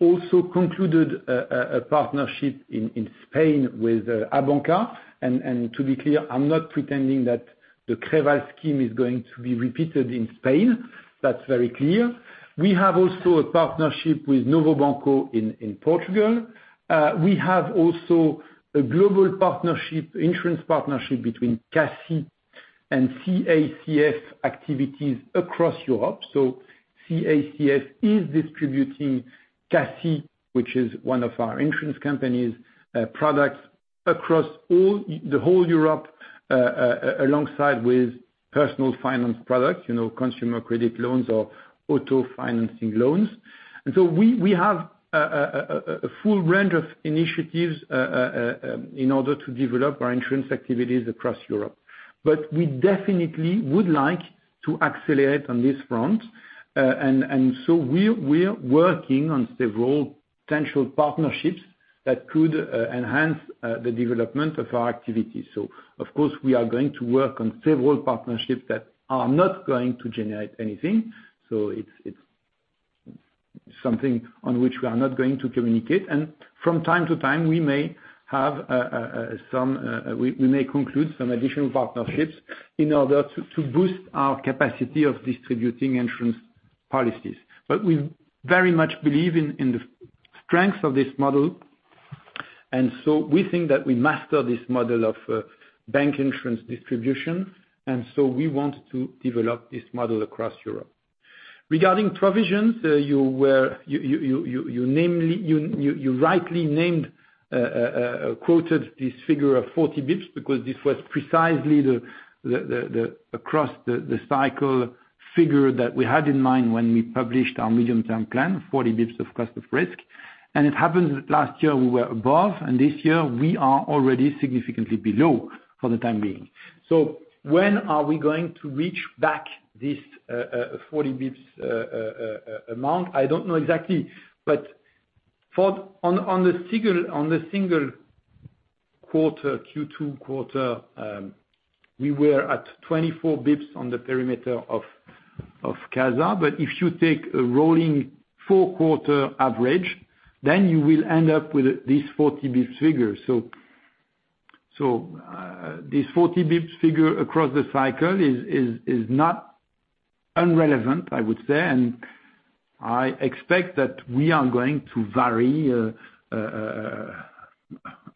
also concluded a partnership in Spain with Abanca. To be clear, I'm not pretending that the Creval scheme is going to be repeated in Spain. That's very clear. We have also a partnership with Novo Banco in Portugal. We have also a global insurance partnership between CACI and CACF activities across Europe. CACF is distributing CACI, which is one of our insurance companies, products across the whole Europe, alongside with personal finance products, consumer credit loans or auto financing loans. We have a full range of initiatives in order to develop our insurance activities across Europe. We definitely would like to accelerate on this front. We're working on several potential partnerships that could enhance the development of our activities. Of course, we are going to work on several partnerships that are not going to generate anything. It's something on which we are not going to communicate. From time to time, we may conclude some additional partnerships in order to boost our capacity of distributing insurance policies. We very much believe in the strength of this model. We think that we master this model of bank insurance distribution. We want to develop this model across Europe. Regarding provisions, you rightly quoted this figure of 40 basis points, because this was precisely across the cycle figure that we had in mind when we published our medium-term plan, 40 basis points of cost of risk. It happened last year, we were above, and this year we are already significantly below for the time being. When are we going to reach back this 40 basis points amount? I don't know exactly, but on the single Q2 quarter, we were at 24 basis points on the perimeter of CASA. If you take a rolling four-quarter average, then you will end up with this 40 basis points figure. This 40 basis points figure across the cycle is not irrelevant, I would say, and I expect that we are going to vary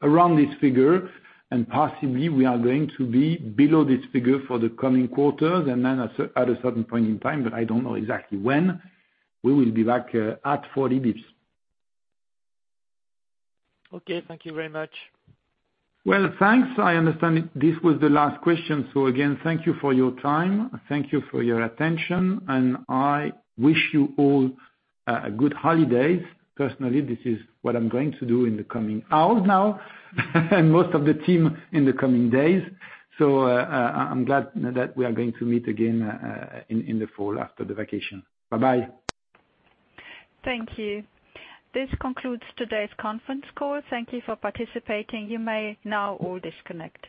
around this figure, and possibly we are going to be below this figure for the coming quarters. Then at a certain point in time, but I don't know exactly when, we will be back at 40 basis points. Okay. Thank you very much. Well, thanks. I understand this was the last question. Again, thank you for your time. Thank you for your attention, and I wish you all a good holiday. Personally, this is what I'm going to do in the coming hours now, and most of the team in the coming days. I'm glad that we are going to meet again in the fall after the vacation. Bye-bye. Thank you. This concludes today's conference call. Thank you for participating. You may now all disconnect.